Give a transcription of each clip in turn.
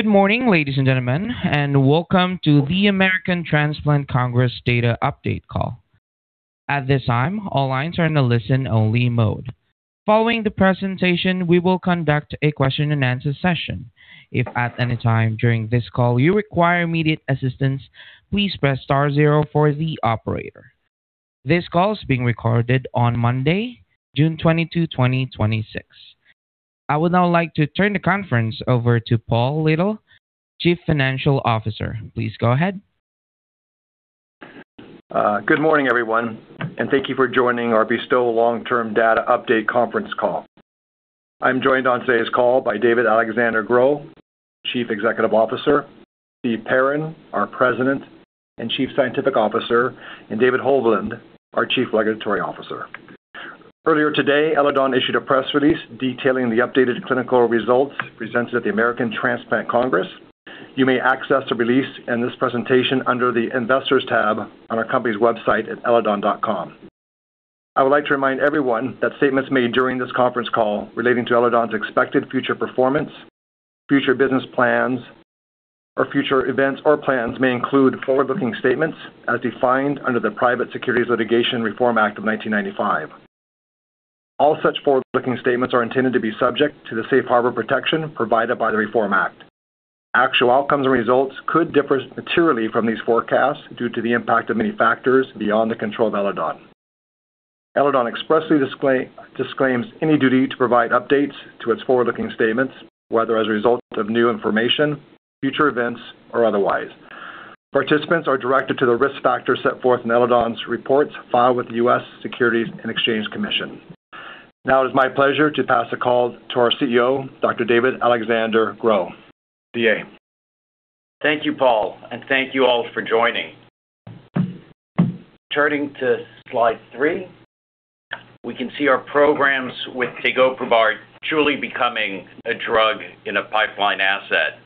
Good morning, ladies and gentlemen, and welcome to the American Transplant Congress data update call. At this time, all lines are in a listen-only mode. Following the presentation, we will conduct a question-and-answer session. If at any time during this call you require immediate assistance, please press star zero for the operator. This call is being recorded on Monday, June 22, 2026. I would now like to turn the conference over to Paul Little, Chief Financial Officer. Please go ahead. Good morning, everyone, and thank you for joining our BESTOW long-term data update conference call. I'm joined on today's call by David-Alexandre Gros, Chief Executive Officer, Steven Perrin, our President and Chief Scientific Officer, and David Hovland, our Chief Regulatory Officer. Earlier today, Eledon issued a press release detailing the updated clinical results presented at the American Transplant Congress. You may access the release and this presentation under the Investors tab on our company's website at eledon.com. I would like to remind everyone that statements made during this conference call relating to Eledon's expected future performance, future business plans, or future events or plans may include forward-looking statements as defined under the Private Securities Litigation Reform Act of 1995. All such forward-looking statements are intended to be subject to the safe harbor protection provided by the Reform Act. Actual outcomes and results could differ materially from these forecasts due to the impact of many factors beyond the control of Eledon. Eledon expressly disclaims any duty to provide updates to its forward-looking statements, whether as a result of new information, future events, or otherwise. Participants are directed to the risk factors set forth in Eledon's reports filed with the U.S. Securities and Exchange Commission. Now it is my pleasure to pass the call to our CEO, Dr. David-Alexandre Gros. DA. Thank you, Paul, and thank you all for joining. Turning to slide three, we can see our programs with tegoprubart truly becoming a drug in a pipeline asset.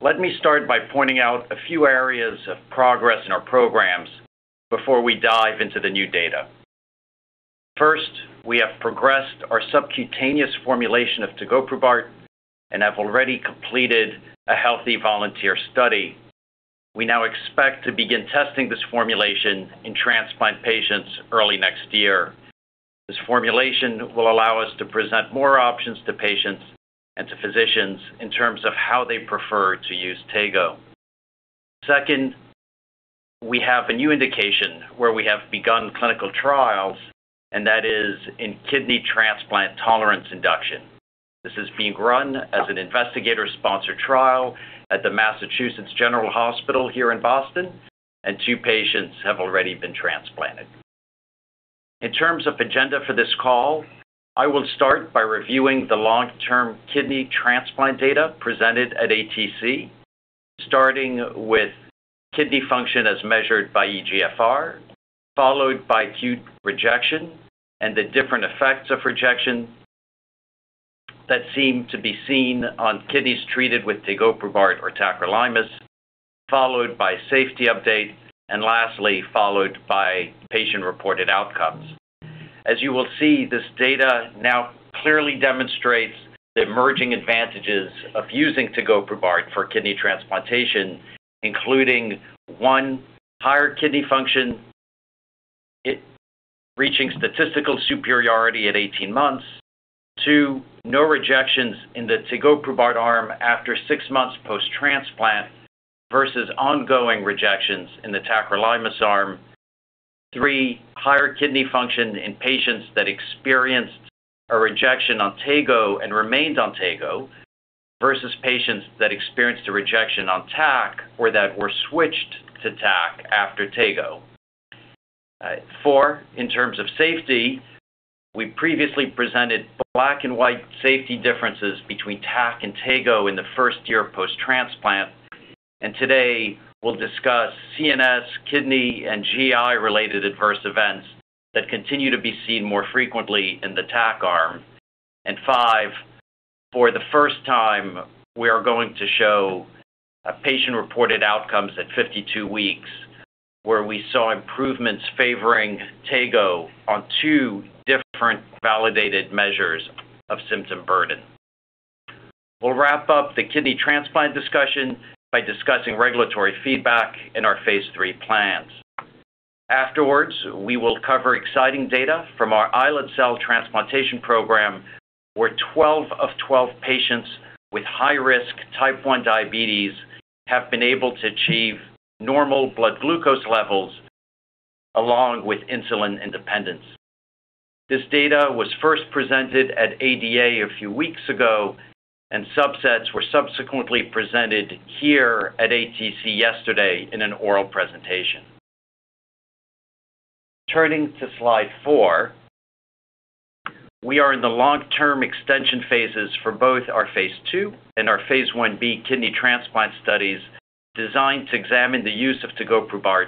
Let me start by pointing out a few areas of progress in our programs before we dive into the new data. First, we have progressed our subcutaneous formulation of tegoprubart and have already completed a healthy volunteer study. We now expect to begin testing this formulation in transplant patients early next year. This formulation will allow us to present more options to patients and to physicians in terms of how they prefer to use TEGO. Second, we have a new indication where we have begun clinical trials, and that is in kidney transplant tolerance induction. This is being run as an investigator-sponsored trial at the Massachusetts General Hospital here in Boston, and two patients have already been transplanted. In terms of agenda for this call, I will start by reviewing the long-term kidney transplant data presented at ATC, starting with kidney function as measured by eGFR, followed by acute rejection and the different effects of rejection that seem to be seen on kidneys treated with tegoprubart or tacrolimus, followed by safety update, and lastly followed by patient-reported outcomes. As you will see, this data now clearly demonstrates the emerging advantages of using tegoprubart for kidney transplantation, including, one, higher kidney function, it reaching statistical superiority at 18 months. Two, no rejections in the tegoprubart arm after six months post-transplant versus ongoing rejections in the tacrolimus arm. Three, higher kidney function in patients that experienced a rejection on TEGO and remained on TEGO versus patients that experienced a rejection on TAC or that were switched to TAC after TEGO. Four, in terms of safety, we previously presented black-and-white safety differences between TAC and TEGO in the first year of post-transplant. Today we'll discuss CNS, kidney, and GI-related adverse events that continue to be seen more frequently in the TAC arm. Five, for the first time, we are going to show patient-reported outcomes at 52 weeks where we saw improvements favoring TEGO on two different validated measures of symptom burden. We'll wrap up the kidney transplant discussion by discussing regulatory feedback in our phase III plans. Afterwards, we will cover exciting data from our islet cell transplantation program, where 12 of 12 patients with high-risk type 1 diabetes have been able to achieve normal blood glucose levels along with insulin independence. This data was first presented at ADA a few weeks ago, subsets were subsequently presented here at ATC yesterday in an oral presentation. Turning to slide four, we are in the long-term extension phases for both our phase II and our phase I-b kidney transplant studies designed to examine the use of tegoprubart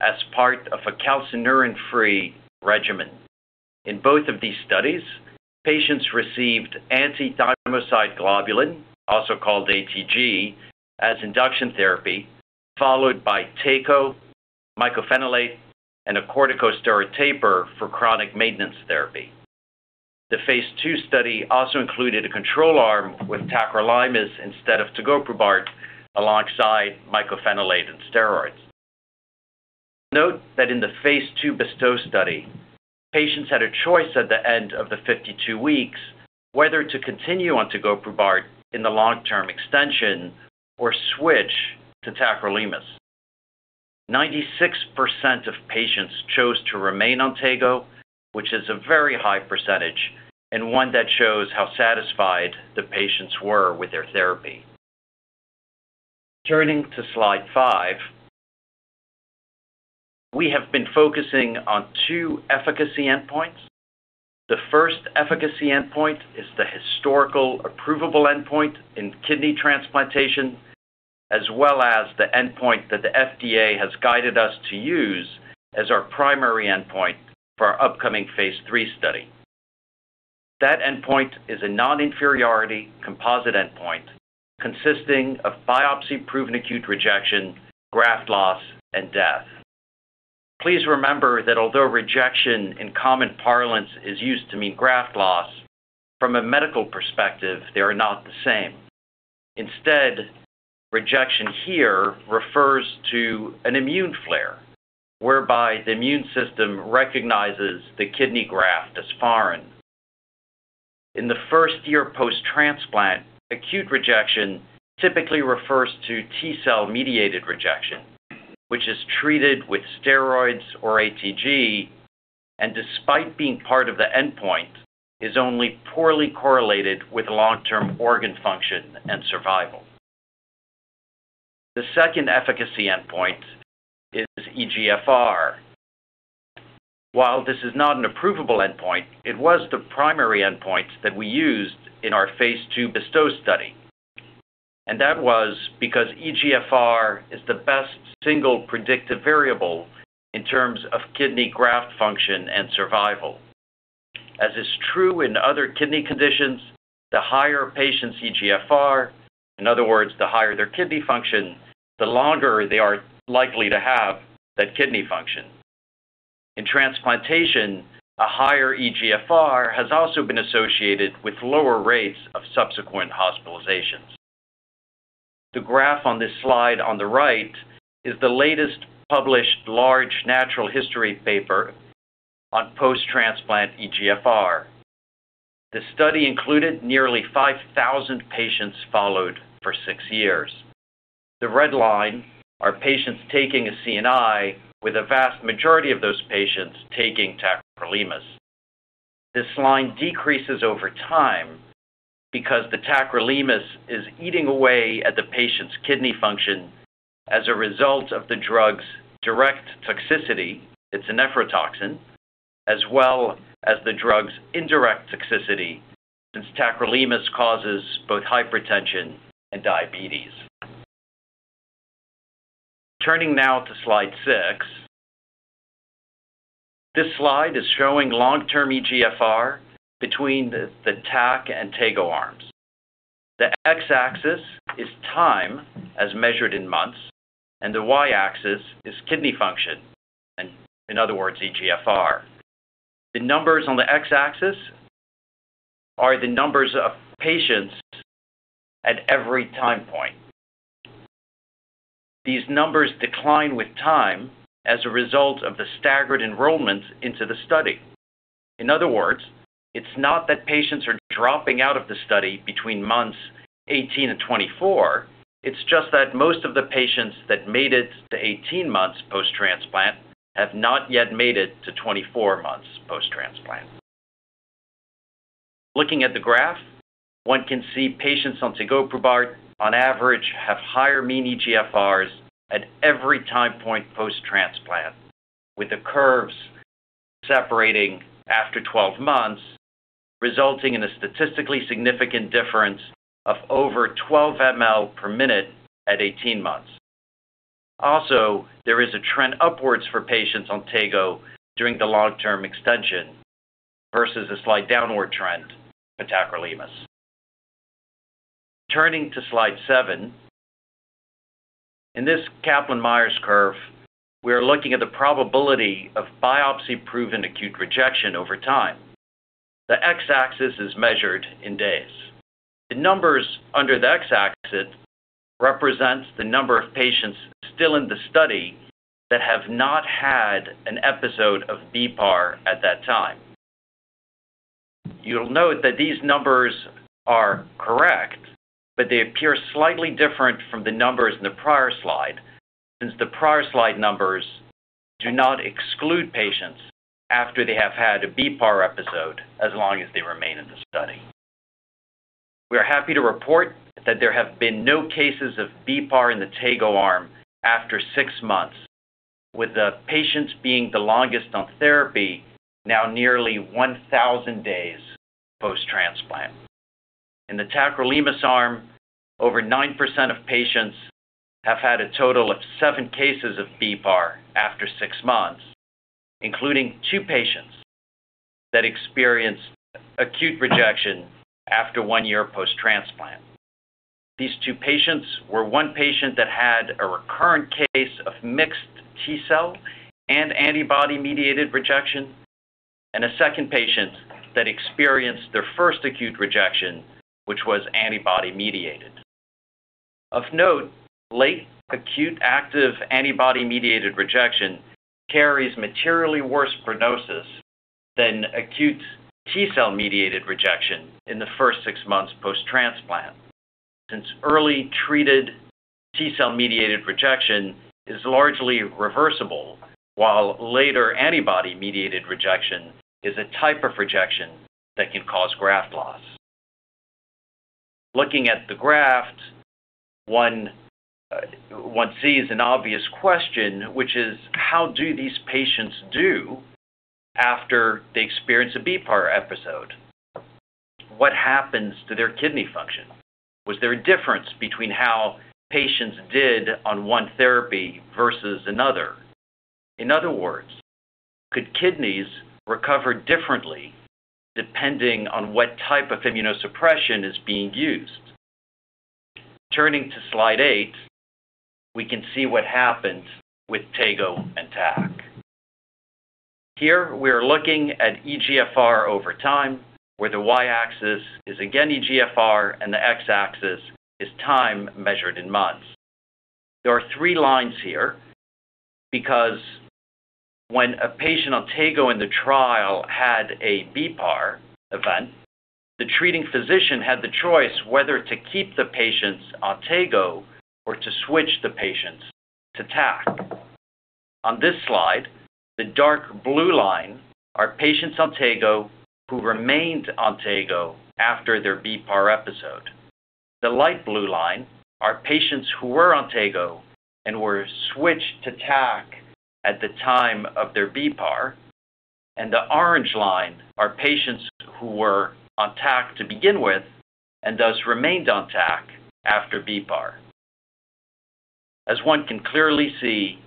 as part of a calcineurin-free regimen. In both of these studies, patients received antithymocyte globulin, also called ATG, as induction therapy, followed by TEGO, mycophenolate, and a corticosteroid taper for chronic maintenance therapy. The phase II study also included a control arm with tacrolimus instead of tegoprubart alongside mycophenolate and steroids. Note that in the phase II BESTOW study, patients had a choice at the end of the 52 weeks whether to continue on tegoprubart in the long-term extension or switch to tacrolimus. 96% of patients chose to remain on TEGO, which is a very high percentage and one that shows how satisfied the patients were with their therapy. Turning to slide five, we have been focusing on two efficacy endpoints. The first efficacy endpoint is the historical approvable endpoint in kidney transplantation, as well as the endpoint that the FDA has guided us to use as our primary endpoint for our upcoming phase III study. That endpoint is a non-inferiority composite endpoint consisting of biopsy-proven acute rejection, graft loss, and death. Please remember that although rejection in common parlance is used to mean graft loss, from a medical perspective, they are not the same. Rejection here refers to an immune flare, whereby the immune system recognizes the kidney graft as foreign. In the first year post-transplant, acute rejection typically refers to T-cell-mediated rejection, which is treated with steroids or ATG, and despite being part of the endpoint, is only poorly correlated with long-term organ function and survival. The second efficacy endpoint is eGFR. While this is not an approvable endpoint, it was the primary endpoint that we used in our phase II BESTOW study. That was because eGFR is the best single predictive variable in terms of kidney graft function and survival. As is true in other kidney conditions, the higher a patient's eGFR, in other words, the higher their kidney function, the longer they are likely to have that kidney function. In transplantation, a higher eGFR has also been associated with lower rates of subsequent hospitalizations. The graph on this slide on the right is the latest published large natural history paper on post-transplant eGFR. The study included nearly 5,000 patients followed for six years. The red line are patients taking a CNI, with a vast majority of those patients taking tacrolimus. This line decreases over time because the tacrolimus is eating away at the patient's kidney function as a result of the drug's direct toxicity. It's a nephrotoxin, as well as the drug's indirect toxicity, since tacrolimus causes both hypertension and diabetes. Turning now to slide six. This slide is showing long-term eGFR between the TAC and TEGO arms. The x-axis is time as measured in months, and the y-axis is kidney function, in other words, eGFR. The numbers on the x-axis are the numbers of patients at every time point. These numbers decline with time as a result of the staggered enrollment into the study. In other words, it's not that patients are dropping out of the study between months 18 and 24. It's just that most of the patients that made it to 18 months post-transplant have not yet made it to 24 months post-transplant. Looking at the graph, one can see patients on tegoprubart on average have higher mean eGFRs at every time point post-transplant, with the curves separating after 12 months, resulting in a statistically significant difference of over 12 mL per minute at 18 months. Also, there is a trend upwards for patients on TEGO during the long-term extension versus a slight downward trend for tacrolimus. Turning to slide seven. In this Kaplan-Meier curve, we are looking at the probability of biopsy-proven acute rejection over time. The x-axis is measured in days. The numbers under the x-axis represent the number of patients still in the study that have not had an episode of bPAR at that time. You'll note that these numbers are correct, but they appear slightly different from the numbers in the prior slide, since the prior slide numbers do not exclude patients after they have had a bPAR episode, as long as they remain in the study. We are happy to report that there have been no cases of bPAR in the TEGO arm after six months, with the patients being the longest on therapy, now nearly 1,000 days post-transplant. In the tacrolimus arm, over 9% of patients have had a total of seven cases of bPAR after six months, including two patients that experienced acute rejection after one year post-transplant. These two patients were one patient that had a recurrent case of mixed T-cell-mediated and antibody-mediated rejection, and a second patient that experienced their first acute rejection, which was antibody-mediated. Of note, late acute active antibody-mediated rejection carries materially worse prognosis than acute T-cell-mediated rejection in the first six months post-transplant. Since early-treated T-cell-mediated rejection is largely reversible, while later antibody-mediated rejection is a type of rejection that can cause graft loss. Looking at the graft, one sees an obvious question, which is: How do these patients do after they experience a bPAR episode? What happens to their kidney function? Was there a difference between how patients did on one therapy versus another? In other words, could kidneys recover differently depending on what type of immunosuppression is being used? Turning to slide eight, we can see what happened with TEGO and TAC. Here, we're looking at eGFR over time, where the y-axis is again eGFR and the x-axis is time measured in months. There are three lines here because when a patient on TEGO in the trial had a bPAR event, the treating physician had the choice whether to keep the patients on TEGO or to switch the patients to TAC. On this slide, the dark blue line are patients on TEGO who remained on TEGO after their bPAR episode. The light blue line are patients who were on TEGO and were switched to TAC at the time of their bPAR. The orange line are patients who were on TAC to begin with and thus remained on TAC after bPAR. As one can clearly see,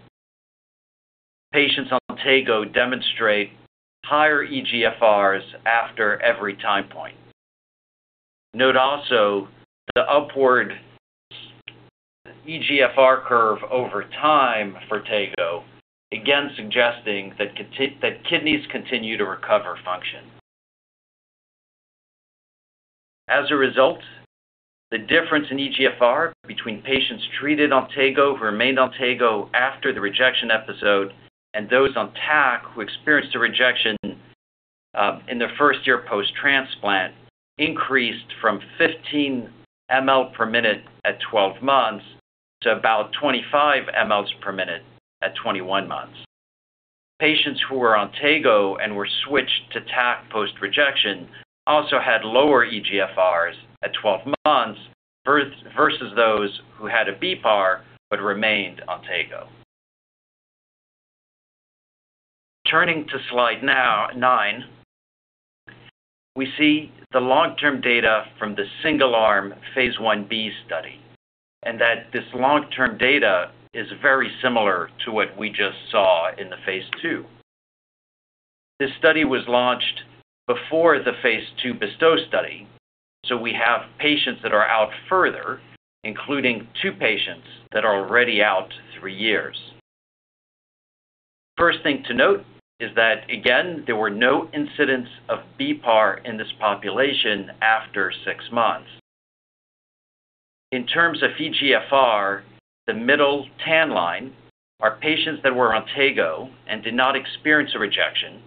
patients on TEGO demonstrate higher eGFRs after every time point. Note also the upward eGFR curve over time for TEGO, again suggesting that kidneys continue to recover function. As a result, the difference in eGFR between patients treated on TEGO who remained on TEGO after the rejection episode and those on TAC who experienced a rejection in their first year post-transplant increased from 15 mL per minute at 12 months to about 25 mL per minute at 21 months. Patients who were on TEGO and were switched to TAC post-rejection also had lower eGFRs at 12 months versus those who had a bPAR but remained on TEGO. Turning to slide nine, we see the long-term data from the single-arm phase I-b study. This long-term data is very similar to what we just saw in the phase II. This study was launched before the phase II BESTOW study, so we have patients that are out further, including two patients that are already out three years. First thing to note is that, again, there were no incidents of bPAR in this population after six months. In terms of eGFR, the middle tan line are patients that were on TEGO and did not experience a rejection.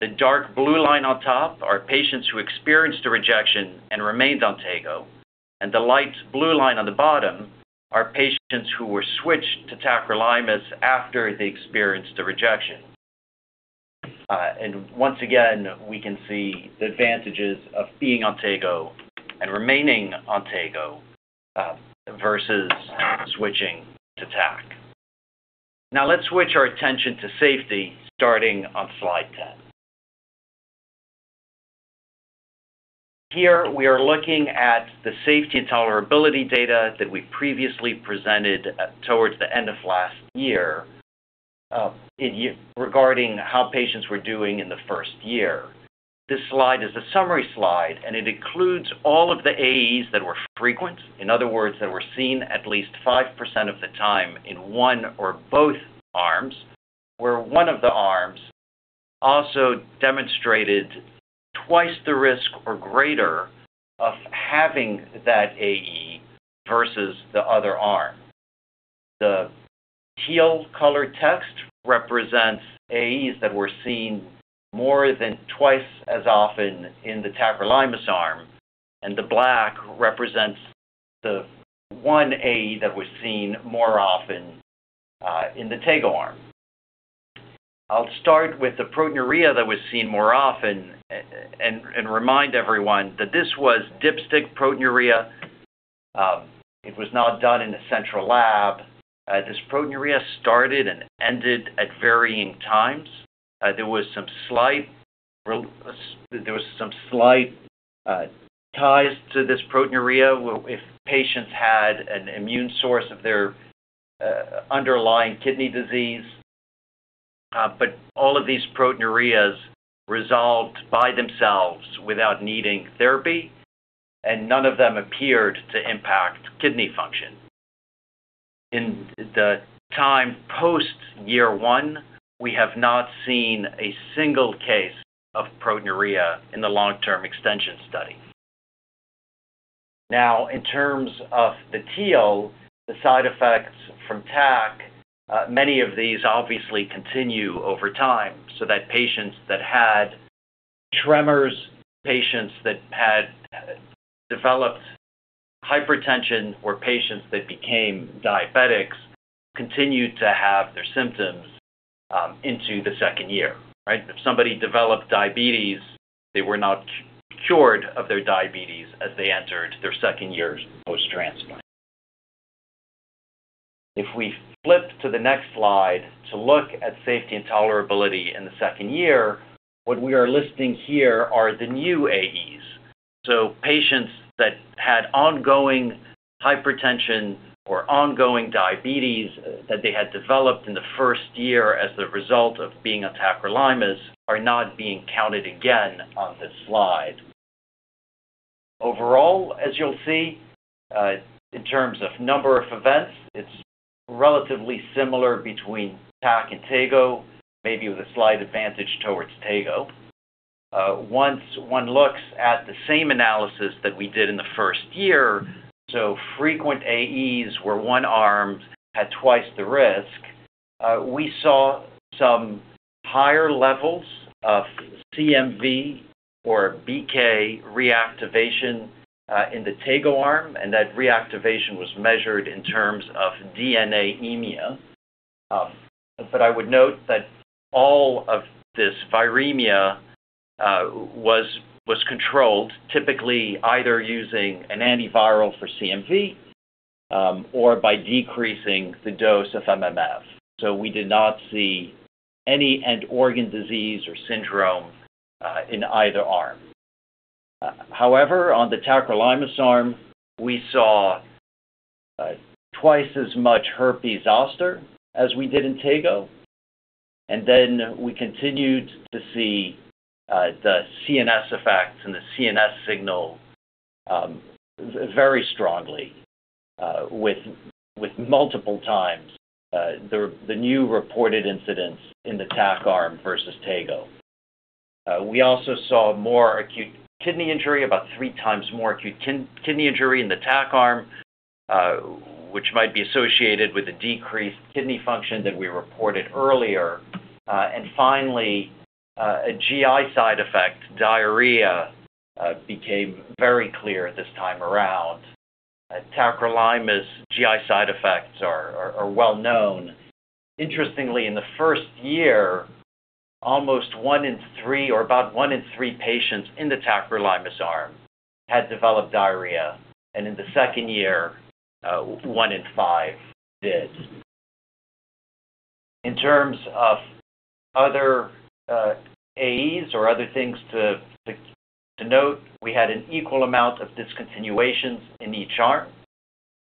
The dark blue line on top are patients who experienced a rejection and remained on TEGO, and the light blue line on the bottom are patients who were switched to tacrolimus after they experienced a rejection. Once again, we can see the advantages of being on TEGO and remaining on TEGO versus switching to TAC. Let's switch our attention to safety, starting on slide 10. Here, we are looking at the safety and tolerability data that we previously presented towards the end of last year regarding how patients were doing in the first year. This slide is a summary slide. It includes all of the AEs that were frequent, in other words, that were seen at least 5% of the time in one or both arms, where one of the arms also demonstrated twice the risk or greater of having that AE versus the other arm. The teal color text represents AEs that were seen more than twice as often in the tacrolimus arm, and the black represents the one AE that was seen more often in the TEGO arm. I'll start with the proteinuria that was seen more often and remind everyone that this was dipstick proteinuria. It was not done in the central lab. This proteinuria started and ended at varying times. There was some slight ties to this proteinuria if patients had an immune source of their underlying kidney disease. All of these proteinuria resolved by themselves without needing therapy, and none of them appeared to impact kidney function. In the time post year one, we have not seen a single case of proteinuria in the long-term extension study. In terms of the side effects from TAC, many of these obviously continue over time so that patients that had tremors, patients that had developed hypertension, or patients that became diabetics continued to have their symptoms into the second year. If somebody developed diabetes, they were not cured of their diabetes as they entered their second year post-transplant. If we flip to the next slide to look at safety and tolerability in the second year, what we are listing here are the new AEs. Patients that had ongoing hypertension or ongoing diabetes that they had developed in the first year as the result of being on tacrolimus are not being counted again on this slide. Overall, as you'll see, in terms of number of events, it's relatively similar between TAC and TEGO, maybe with a slight advantage towards TEGO. Once one looks at the same analysis that we did in the first year, frequent AEs where one arm had twice the risk, we saw some higher levels of CMV or BK reactivation in the TEGO arm, and that reactivation was measured in terms of DNAemia. I would note that all of this viremia was controlled, typically either using an antiviral for CMV or by decreasing the dose of MMF. We did not see any end-organ disease or syndrome in either arm. On the tacrolimus arm, we saw twice as much herpes zoster as we did in TEGO. We continued to see the CNS effects and the CNS signal very strongly with multiple times the new reported incidents in the TAC arm versus TEGO. We also saw more acute kidney injury, about three times more acute kidney injury in the TAC arm, which might be associated with the decreased kidney function that we reported earlier. Finally, a GI side effect, diarrhea, became very clear this time around. Tacrolimus GI side effects are well known. Interestingly, in the first year, almost one in three or about one in three patients in the tacrolimus arm had developed diarrhea, and in the second year, one in five did. In terms of other AEs or other things to note, we had an equal amount of discontinuations in each arm.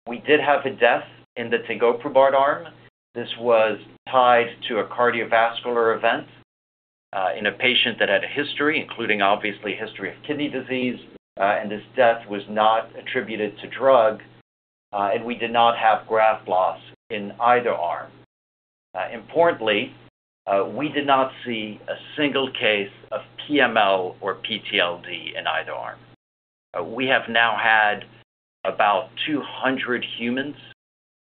We did have a death in the tegoprubart arm. This was tied to a cardiovascular event in a patient that had a history, including obviously a history of kidney disease, and this death was not attributed to drug, and we did not have graft loss in either arm. Importantly, we did not see a single case of PML or PTLD in either arm. We have now had about 200 humans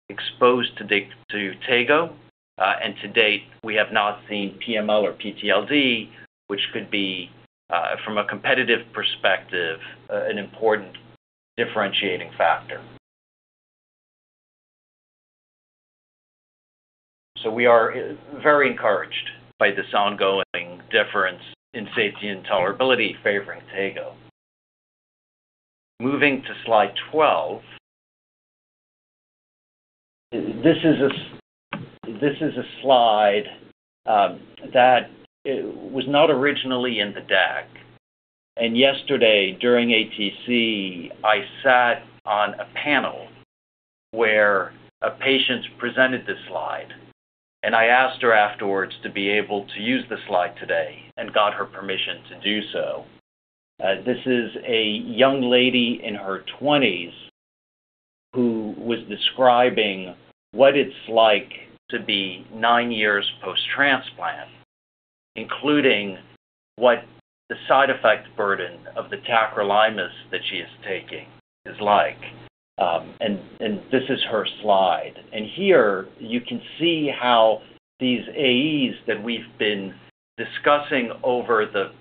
exposed to TEGO, and to date, we have not seen PML or PTLD, which could be, from a competitive perspective, an important differentiating factor. We are very encouraged by this ongoing difference in safety and tolerability favoring TEGO. Moving to slide 12. This is a slide that was not originally in the deck. Yesterday during ATC, I sat on a panel where a patient presented this slide, and I asked her afterwards to be able to use the slide today and got her permission to do so. This is a young lady in her 20s who was describing what it's like to be nine years post-transplant, including what the side effect burden of the tacrolimus that she is taking is like. This is her slide. Here you can see how these AEs that we've been discussing over the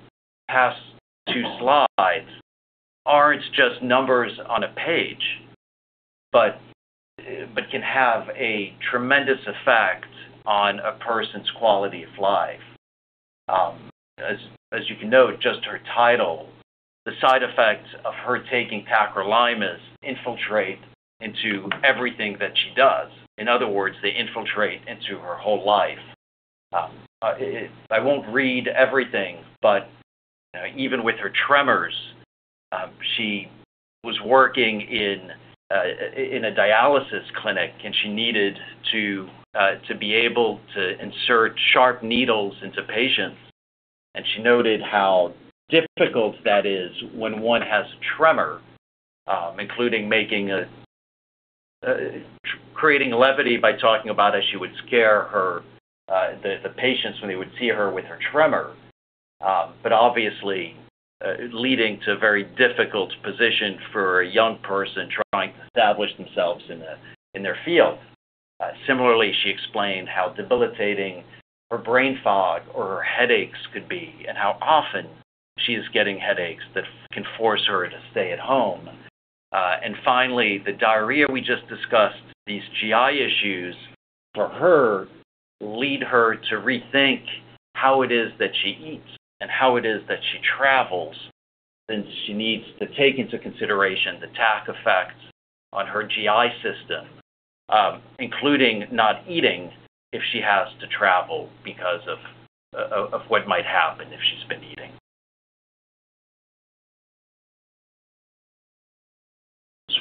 past two slides aren't just numbers on a page but can have a tremendous effect on a person's quality of life. As you can note, just her title, the side effects of her taking tacrolimus infiltrate into everything that she does. In other words, they infiltrate into her whole life. I won't read everything. Even with her tremors, she was working in a dialysis clinic, and she needed to be able to insert sharp needles into patients. She noted how difficult that is when one has a tremor, including creating levity by talking about how she would scare the patients when they would see her with her tremor. Obviously, leading to a very difficult position for a young person trying to establish themselves in their field. Similarly, she explained how debilitating her brain fog or her headaches could be, and how often she is getting headaches that can force her to stay at home. Finally, the diarrhea we just discussed, these GI issues, for her, lead her to rethink how it is that she eats and how it is that she travels, since she needs to take into consideration the TAC effects on her GI system, including not eating if she has to travel because of what might happen if she's been eating.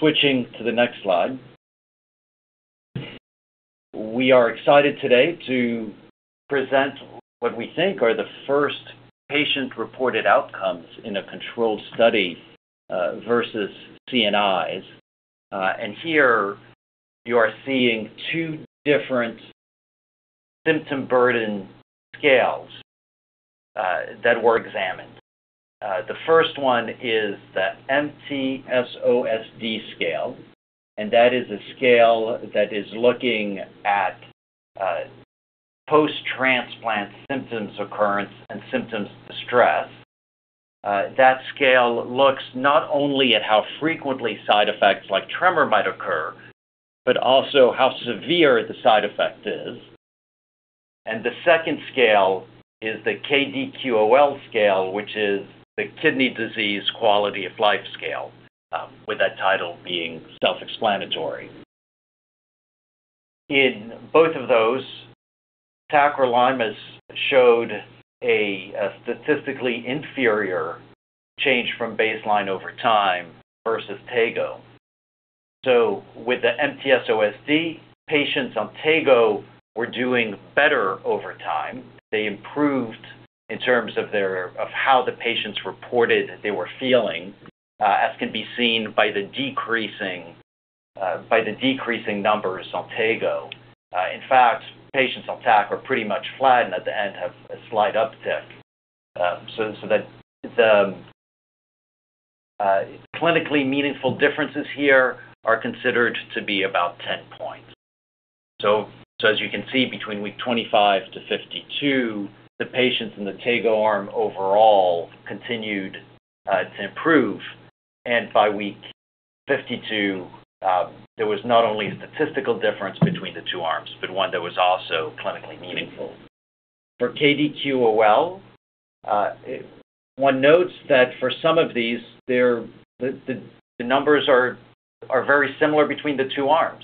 Switching to the next slide. We are excited today to present what we think are the first patient-reported outcomes in a controlled study versus CNIs. Here you are seeing two different symptom burden scales that were examined. The first one is the MTSOSD scale, and that is a scale that is looking at post-transplant symptoms occurrence and symptoms distress. That scale looks not only at how frequently side effects like tremor might occur, but also how severe the side effect is. The second scale is the KDQOL scale, which is the Kidney Disease Quality of Life scale, with that title being self-explanatory. In both of those, tacrolimus showed a statistically inferior change from baseline over time versus TEGO. With the MTSOSD, patients on TEGO were doing better over time. They improved in terms of how the patients reported they were feeling, as can be seen by the decreasing numbers on TEGO. In fact, patients on TAC are pretty much flat and at the end have a slight uptick. The clinically meaningful differences here are considered to be about 10 points. As you can see, between week 25-52, the patients in the TEGO arm overall continued to improve. By week 52, there was not only a statistical difference between the two arms, but one that was also clinically meaningful. For KDQOL, one notes that for some of these, the numbers are very similar between the two arms.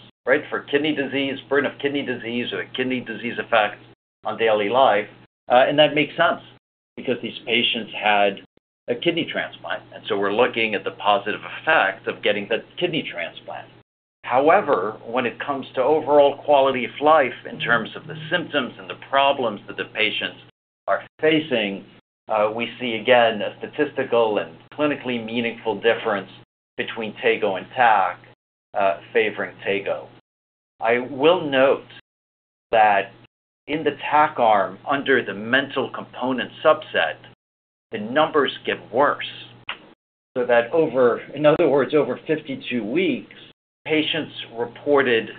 For kidney disease, burden of kidney disease, or the kidney disease effect on daily life, and that makes sense because these patients had a kidney transplant. However, when it comes to overall quality of life in terms of the symptoms and the problems that the patients are facing, we see again a statistical and clinically meaningful difference between TEGO and TAC, favoring TEGO. I will note that in the TAC arm, under the mental component subset, the numbers get worse. That, in other words, over 52 weeks, patients reported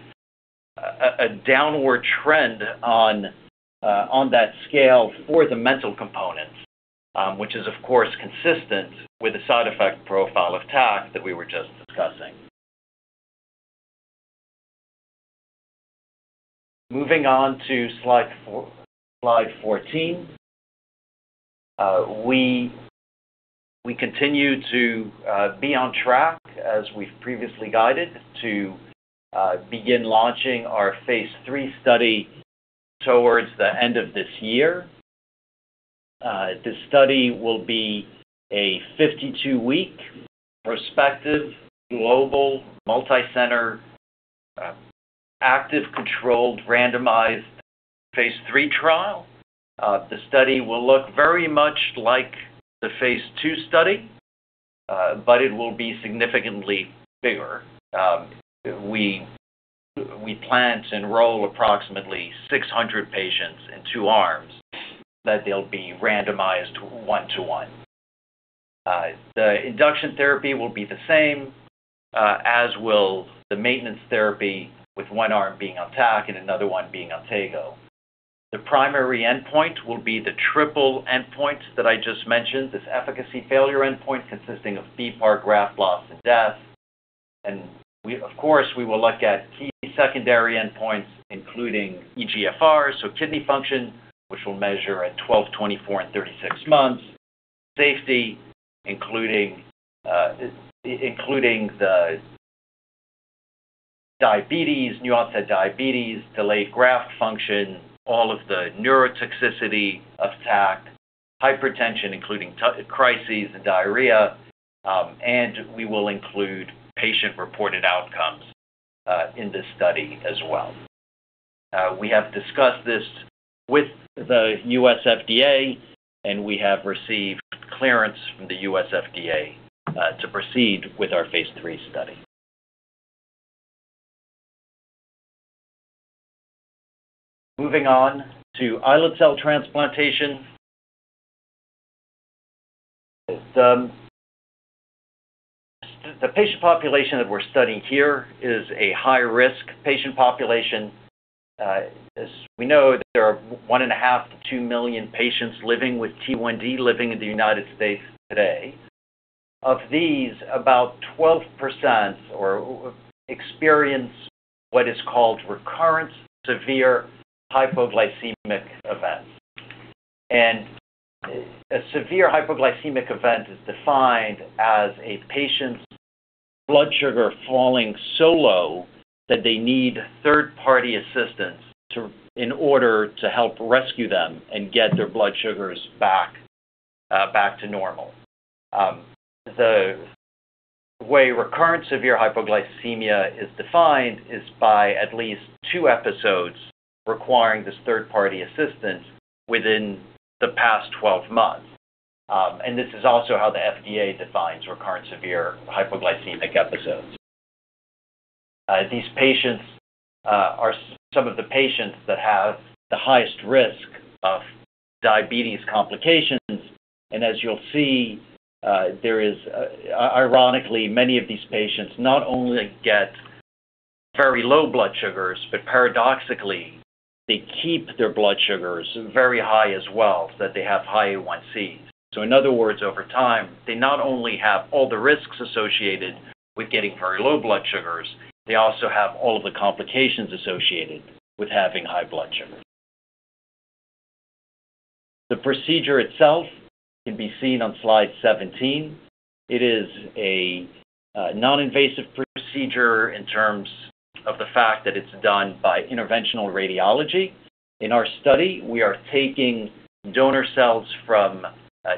a downward trend on that scale for the mental component, which is of course consistent with the side effect profile of TAC that we were just discussing. Moving on to slide 14. We continue to be on track, as we've previously guided, to begin launching our phase III study towards the end of this year. The study will be a 52-week prospective, global, multicenter, active controlled randomized phase III trial. The study will look very much like the phase II study, but it will be significantly bigger. We plan to enroll approximately 600 patients in two arms, that they'll be randomized one-to-one. The induction therapy will be the same, as will the maintenance therapy, with one arm being on TAC and another one being on TEGO. The primary endpoint will be the triple endpoint that I just mentioned, this efficacy failure endpoint consisting of bPAR graft loss and death. Of course, we will look at key secondary endpoints, including eGFR, so kidney function, which we'll measure at 12, 24, and 36 months. Safety, including the diabetes, new onset diabetes, delayed graft function, all of the neurotoxicity of TAC, hypertension, including crises and diarrhea, we will include patient-reported outcomes in this study as well. We have discussed this with the U.S. FDA, we have received clearance from the U.S. FDA to proceed with our phase III study. Moving on to islet cell transplantation. The patient population that we're studying here is a high-risk patient population. As we know, there are 1.5-2 million patients living with T1D living in the U.S. today. Of these, about 12% experience what is called recurrent severe hypoglycemic events. A severe hypoglycemic event is defined as a patient's blood sugar falling so low that they need third-party assistance in order to help rescue them and get their blood sugars back to normal. The way recurrent severe hypoglycemia is defined is by at least two episodes requiring this third-party assistance within the past 12 months. This is also how the FDA defines recurrent severe hypoglycemic episodes. These patients are some of the patients that have the highest risk of diabetes complications, and as you'll see, ironically, many of these patients not only get very low blood sugars, but paradoxically, they keep their blood sugars very high as well, that they have high A1C. In other words, over time, they not only have all the risks associated with getting very low blood sugars, they also have all of the complications associated with having high blood sugar. The procedure itself can be seen on slide 17. It is a non-invasive procedure in terms of the fact that it's done by interventional radiology. In our study, we are taking donor cells from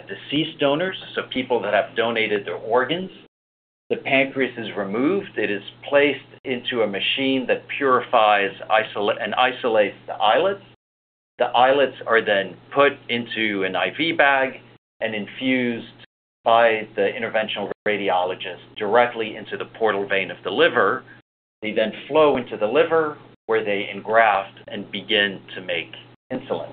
deceased donors, so people that have donated their organs. The pancreas is removed. It is placed into a machine that purifies and isolates the islets. The islets are then put into an IV bag and infused by the interventional radiologist directly into the portal vein of the liver. They then flow into the liver, where they engraft and begin to make insulin.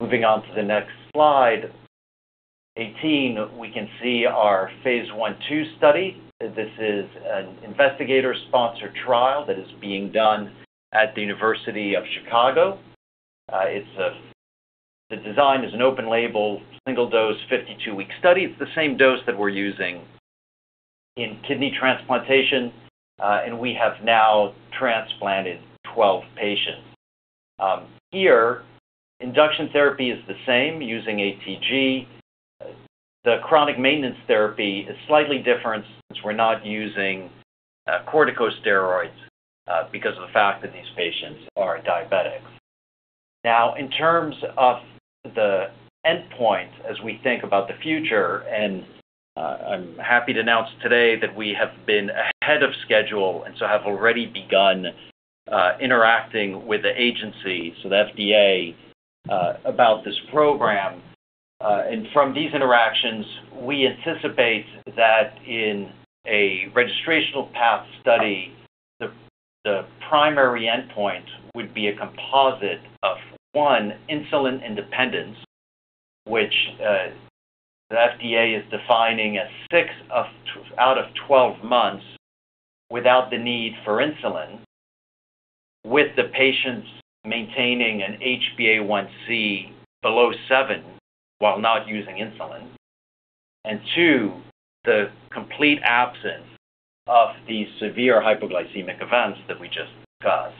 Moving on to the next slide, 18, we can see our phase I/II study. This is an investigator-sponsored trial that is being done at the University of Chicago. The design is an open-label, single-dose, 52-week study. It's the same dose that we're using in kidney transplantation, and we have now transplanted 12 patients. Here, induction therapy is the same, using ATG. The chronic maintenance therapy is slightly different since we're not using corticosteroids because of the fact that these patients are diabetic. In terms of the endpoint as we think about the future, I'm happy to announce today that we have been ahead of schedule and so have already begun interacting with the agency, so the FDA, about this program. From these interactions, we anticipate that in a registrational path study, the primary endpoint would be a composite of, one, insulin independence, which the FDA is defining as six out of 12 months without the need for insulin, with the patients maintaining an HbA1c below seven while not using insulin. Two, the complete absence of the severe hypoglycemic events that we just discussed.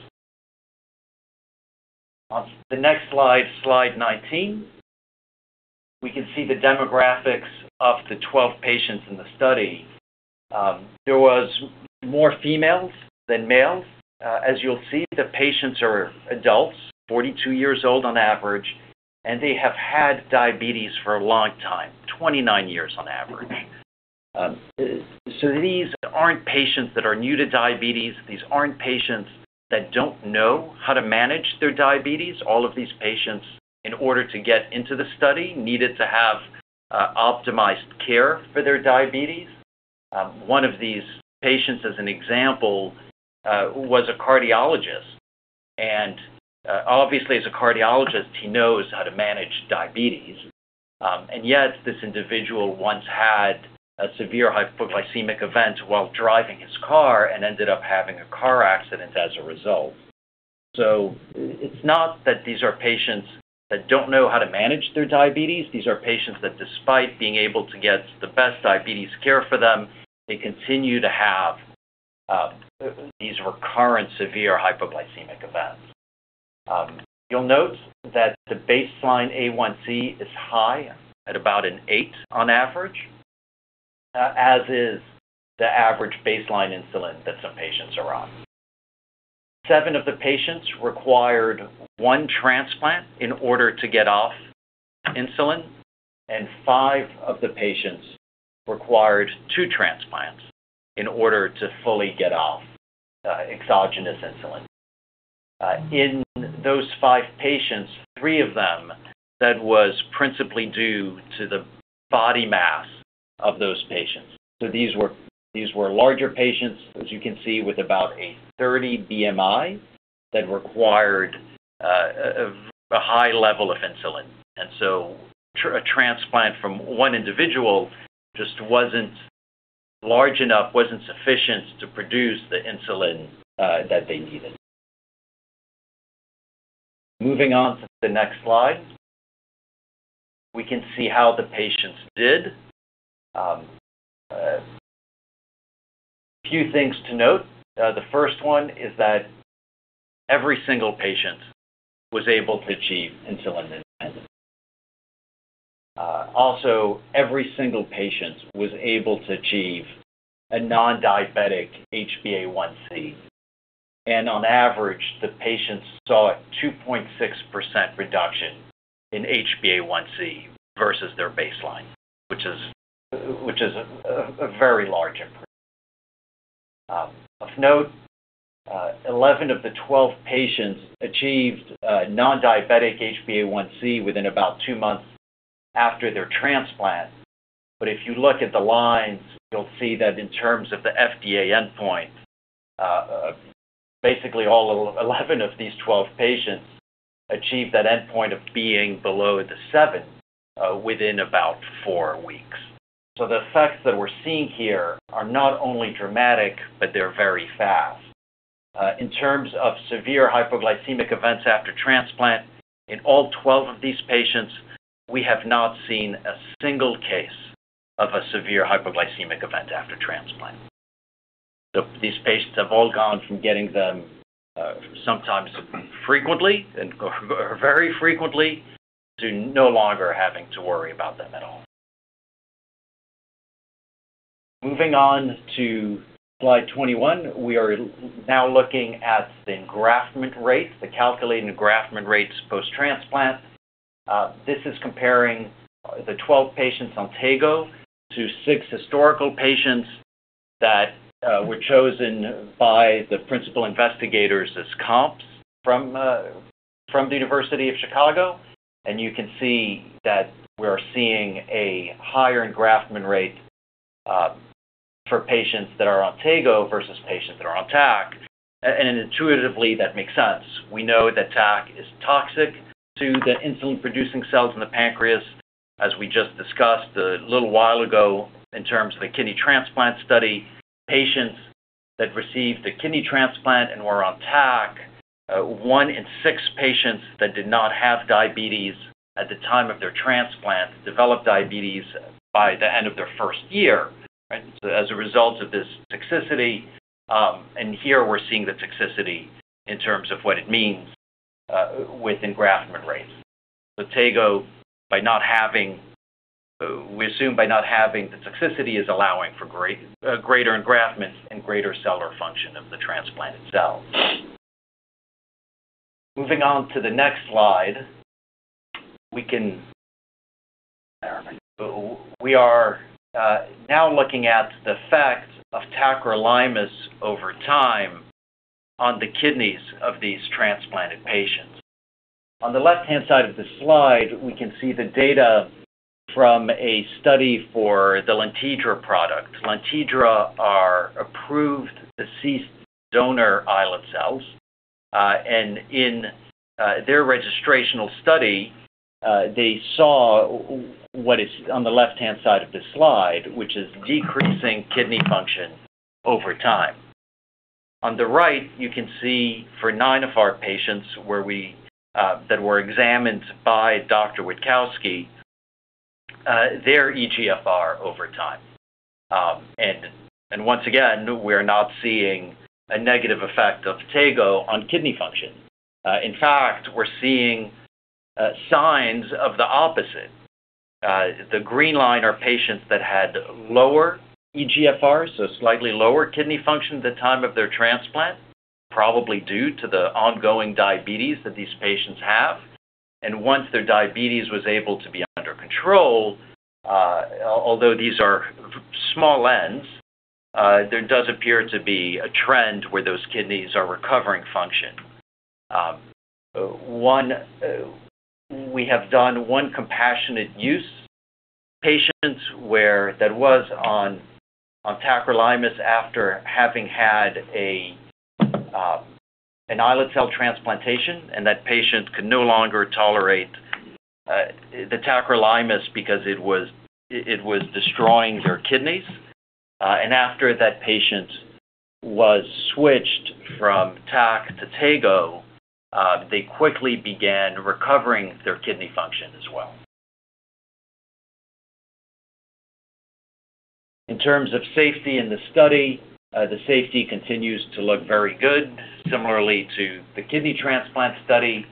On the next slide 19, we can see the demographics of the 12 patients in the study. There was more females than males. As you'll see, the patients are adults, 42 years old on average, and they have had diabetes for a long time, 29 years on average. These aren't patients that are new to diabetes. These aren't patients that don't know how to manage their diabetes. All of these patients, in order to get into the study, needed to have optimized care for their diabetes. One of these patients, as an example, was a cardiologist, and obviously as a cardiologist, he knows how to manage diabetes. Yet this individual once had a severe hypoglycemic event while driving his car and ended up having a car accident as a result. It's not that these are patients that don't know how to manage their diabetes. These are patients that despite being able to get the best diabetes care for them, they continue to have these recurrent severe hypoglycemic events. You'll note that the baseline A1C is high at about an eight on average, as is the average baseline insulin that some patients are on. Seven of the patients required one transplant in order to get off insulin, and five of the patients required two transplants in order to fully get off exogenous insulin. In those five patients, three of them, that was principally due to the body mass of those patients. These were larger patients, as you can see, with about a 30 BMI that required a high level of insulin. A transplant from one individual just wasn't large enough, wasn't sufficient to produce the insulin that they needed. Moving on to the next slide. We can see how the patients did. A few things to note. The first one is that every single patient was able to achieve insulin independence. Also, every single patient was able to achieve a non-diabetic HbA1c, and on average, the patients saw a 2.6% reduction in HbA1c versus their baseline, which is a very large improvement. Of note, 11 of the 12 patients achieved a non-diabetic HbA1c within about two months after their transplant. If you look at the lines, you'll see that in terms of the FDA endpoint, basically all 11 of these 12 patients achieved that endpoint of being below the seven within about four weeks. The effects that we're seeing here are not only dramatic, but they're very fast. In terms of severe hypoglycemic events after transplant, in all 12 of these patients, we have not seen a single case of a severe hypoglycemic event after transplant. These patients have all gone from getting them sometimes frequently and very frequently to no longer having to worry about them at all. Moving on to slide 21, we are now looking at the engraftment rates, the calculated engraftment rates post-transplant. This is comparing the 12 patients on TEGO to six historical patients that were chosen by the principal investigators as comps from the University of Chicago. You can see that we're seeing a higher engraftment rate for patients that are on TEGO versus patients that are on TAC. Intuitively, that makes sense. We know that TAC is toxic to the insulin-producing cells in the pancreas. As we just discussed a little while ago in terms of the kidney transplant study, patients that received the kidney transplant and were on TAC, one in six patients that did not have diabetes at the time of their transplant developed diabetes by the end of their first year as a result of this toxicity. Here we're seeing the toxicity in terms of what it means with engraftment rates. TEGO, we assume by not having the toxicity is allowing for greater engraftment and greater cellular function of the transplant itself. Moving on to the next slide. We are now looking at the effect of tacrolimus over time on the kidneys of these transplanted patients. On the left-hand side of the slide, we can see the data from a study for the Lantidra product. Lantidra are approved deceased donor islet cells. In their registrational study, they saw what is on the left-hand side of this slide, which is decreasing kidney function over time. On the right, you can see for nine of our patients that were examined by Dr. Witkowski, their eGFR over time. Once again, we're not seeing a negative effect of TEGO on kidney function. In fact, we're seeing signs of the opposite. The green line are patients that had lower eGFR, so slightly lower kidney function at the time of their transplant, probably due to the ongoing diabetes that these patients have. Once their diabetes was able to be under control, although these are small ends, there does appear to be a trend where those kidneys are recovering function. We have done one compassionate use patient that was on tacrolimus after having had an islet cell transplantation, that patient could no longer tolerate the tacrolimus because it was destroying their kidneys. After that patient was switched from TAC to TEGO, they quickly began recovering their kidney function as well. In terms of safety in the study, the safety continues to look very good similarly to the kidney transplant study.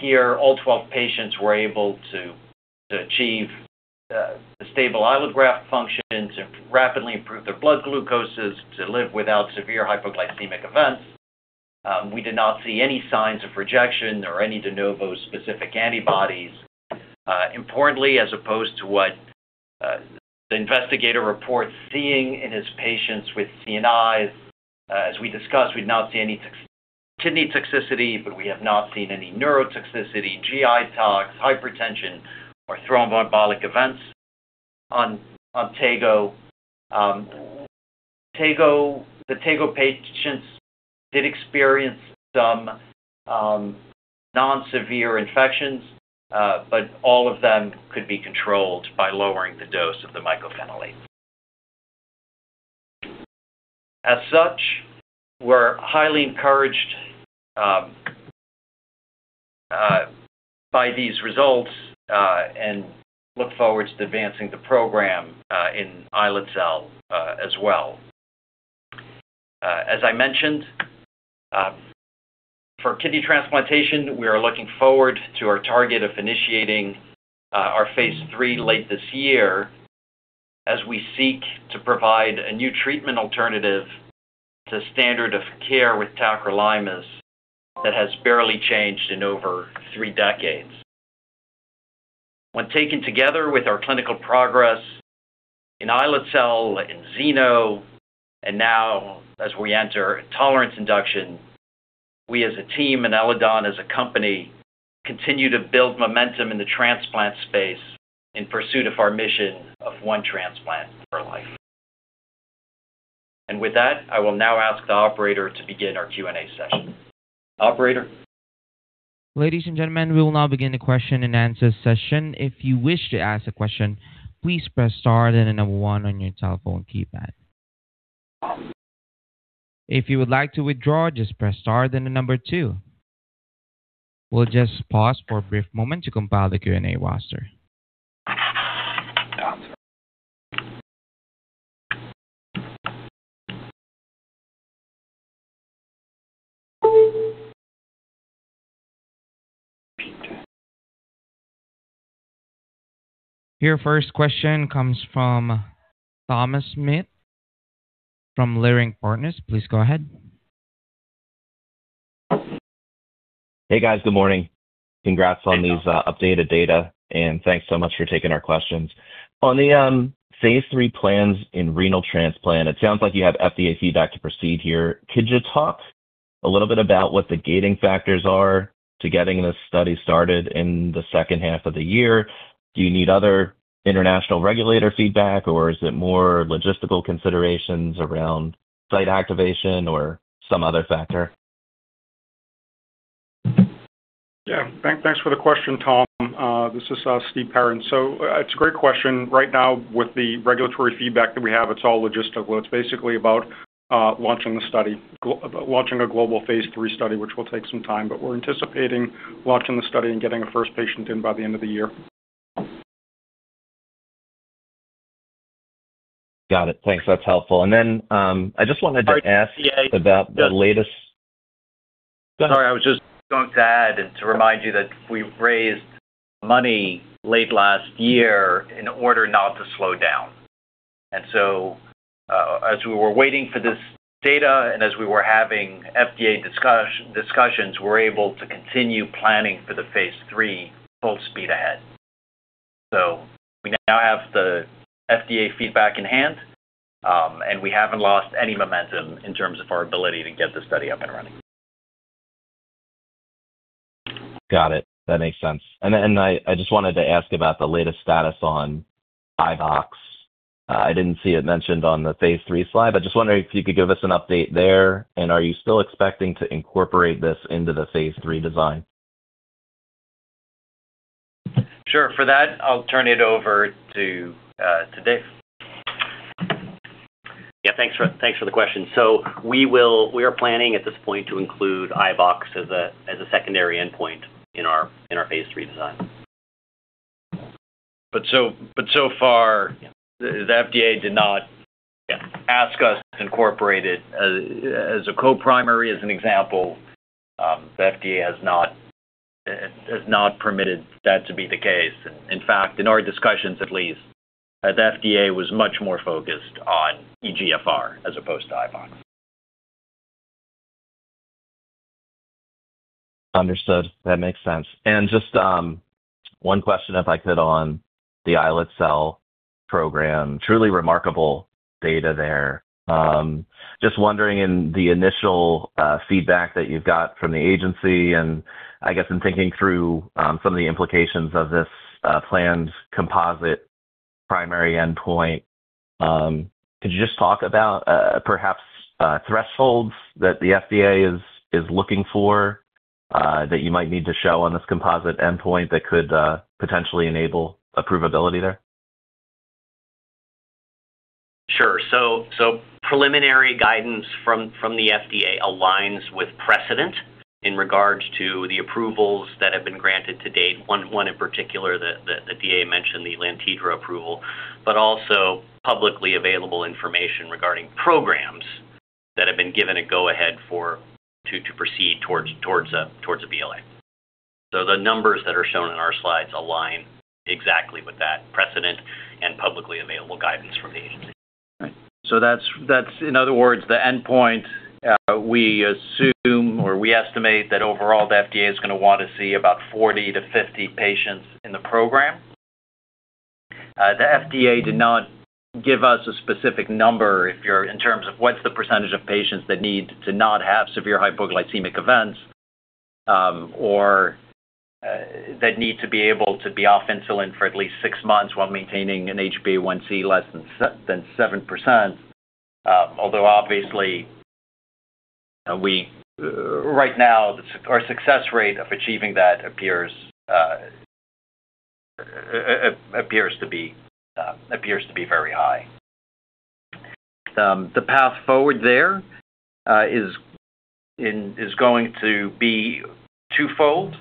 Here, all 12 patients were able to achieve a stable islet graft function, to rapidly improve their blood glucoses, to live without severe hypoglycemic events. We did not see any signs of rejection or any de novo specific antibodies. Importantly, as opposed to what the investigator reports seeing in his patients with CNIs, as we discussed, we did not see any kidney toxicity, but we have not seen any neurotoxicity, GI tox, hypertension, or thromboembolic events on TEGO. The TEGO patients did experience some non-severe infections, but all of them could be controlled by lowering the dose of the mycophenolate. As such, we're highly encouraged by these results, look forward to advancing the program in islet cell as well. As I mentioned, for kidney transplantation, we are looking forward to our target of initiating our phase III late this year as we seek to provide a new treatment alternative to standard of care with tacrolimus that has barely changed in over three decades. When taken together with our clinical progress in islet cell, in xeno, and now as we enter tolerance induction, we as a team, and Eledon as a company, continue to build momentum in the transplant space in pursuit of our mission of one transplant per life. With that, I will now ask the operator to begin our Q&A session. Operator? Ladies and gentlemen, we will now begin the question and answer session. If you wish to ask a question, please press star, then the number one on your telephone keypad. If you would like to withdraw, just press star, then the number two. We'll just pause for a brief moment to compile the Q&A roster. Your first question comes from Thomas Smith from Leerink Partners. Please go ahead. Hey, guys. Good morning. Congrats on these updated data. Thanks so much for taking our questions. On the phase III plans in renal transplant, it sounds like you have FDA feedback to proceed here. Could you talk a little bit about what the gating factors are to getting this study started in the second half of the year? Do you need other international regulator feedback? Is it more logistical considerations around site activation or some other factor? Yeah. Thanks for the question, Tom. This is Steven Perrin. It's a great question. Right now, with the regulatory feedback that we have, it's all logistical. It's basically about launching a global phase III study, which will take some time. We're anticipating launching the study and getting a first patient in by the end of the year. Got it. Thanks. That's helpful. I just wanted to ask about the latest. Sorry, I was just going to add and to remind you that we raised money late last year in order not to slow down. As we were waiting for this data and as we were having FDA discussions, we're able to continue planning for the phase III full speed ahead. We now have the FDA feedback in hand, and we haven't lost any momentum in terms of our ability to get the study up and running. Got it. That makes sense. I just wanted to ask about the latest status on iBox. I didn't see it mentioned on the phase III slide, just wondering if you could give us an update there, are you still expecting to incorporate this into the phase III design? Sure. For that, I'll turn it over to Dave. Yeah. Thanks for the question. We are planning at this point to include iBox as a secondary endpoint in our phase III design. So far. Yeah. The FDA. Yeah. Ask us to incorporate it as a co-primary, as an example. The FDA has not permitted that to be the case. In fact, in our discussions at least, the FDA was much more focused on eGFR as opposed to iBox. Understood. That makes sense. Just one question, if I could, on the islet cell program. Truly remarkable data there. Just wondering in the initial feedback that you've got from the agency, and I guess in thinking through some of the implications of this planned composite primary endpoint, could you just talk about perhaps thresholds that the FDA is looking for that you might need to show on this composite endpoint that could potentially enable approvability there? Sure. Preliminary guidance from the FDA aligns with precedent In regards to the approvals that have been granted to date, one in particular that DA mentioned, the Lantidra approval, but also publicly available information regarding programs that have been given a go-ahead to proceed towards a BLA. The numbers that are shown in our slides align exactly with that precedent and publicly available guidance from the agency. Right. That's, in other words, the endpoint. We assume, or we estimate that overall the FDA is going to want to see about 40-50 patients in the program. The FDA did not give us a specific number in terms of what's the percentage of patients that need to not have severe hypoglycemic events, or that need to be able to be off insulin for at least six months while maintaining an HbA1c less than 7%. Although obviously, right now, our success rate of achieving that appears to be very high. The path forward there is going to be twofold.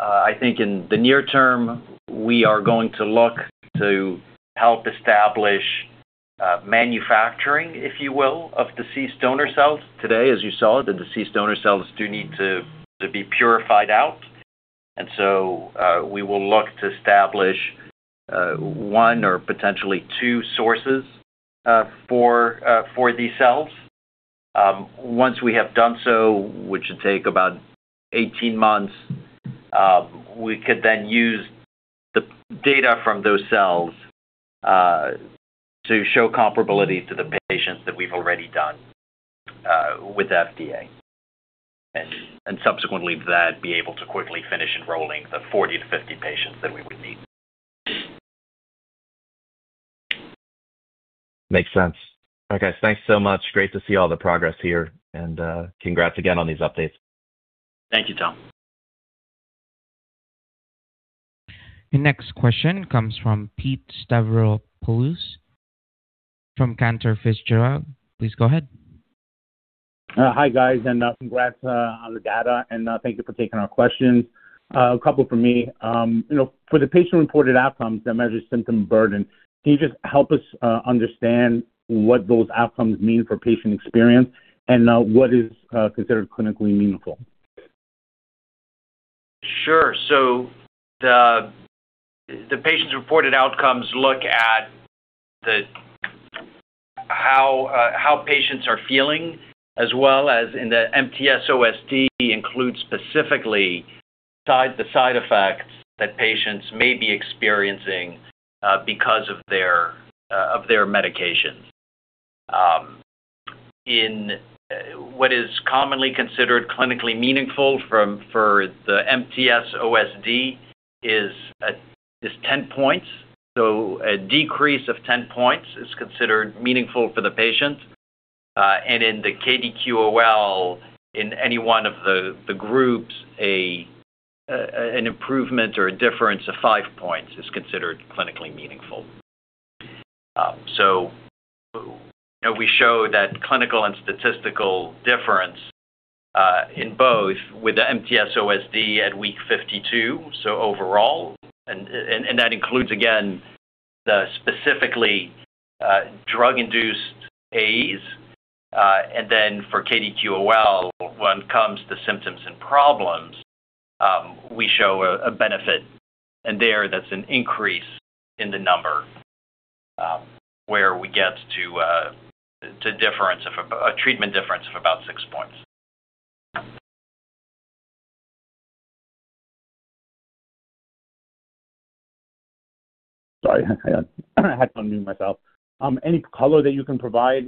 I think in the near term, we are going to look to help establish manufacturing, if you will, of deceased donor cells. Today, as you saw, the deceased donor cells do need to be purified out. We will look to establish one or potentially two sources for these cells. Once we have done so, which should take about 18 months, we could then use the data from those cells to show comparability to the patients that we've already done with FDA. Subsequently to that, be able to quickly finish enrolling the 40-50 patients that we would need. Makes sense. All right, guys. Thanks so much. Great to see all the progress here. Congrats again on these updates. Thank you, Tom. The next question comes from Pete Stavropoulos from Cantor Fitzgerald. Please go ahead. Hi, guys, congrats on the data, thank you for taking our questions. A couple from me. For the patient-reported outcomes that measure symptom burden, can you just help us understand what those outcomes mean for patient experience and what is considered clinically meaningful? Sure. The patients' reported outcomes look at how patients are feeling as well as in the MTSOSD includes specifically the side effects that patients may be experiencing because of their medication. In what is commonly considered clinically meaningful for the MTSOSD is 10 points. A decrease of 10 points is considered meaningful for the patient. In the KDQOL, in any one of the groups, an improvement or a difference of five points is considered clinically meaningful. We show that clinical and statistical difference in both with the MTSOSD at week 52, overall, and that includes, again, the specifically drug-induced AEs. For KDQOL, when it comes to symptoms and problems, we show a benefit. There, that's an increase in the number where we get to a treatment difference of about six points. Sorry, I had to unmute myself. Any color that you can provide,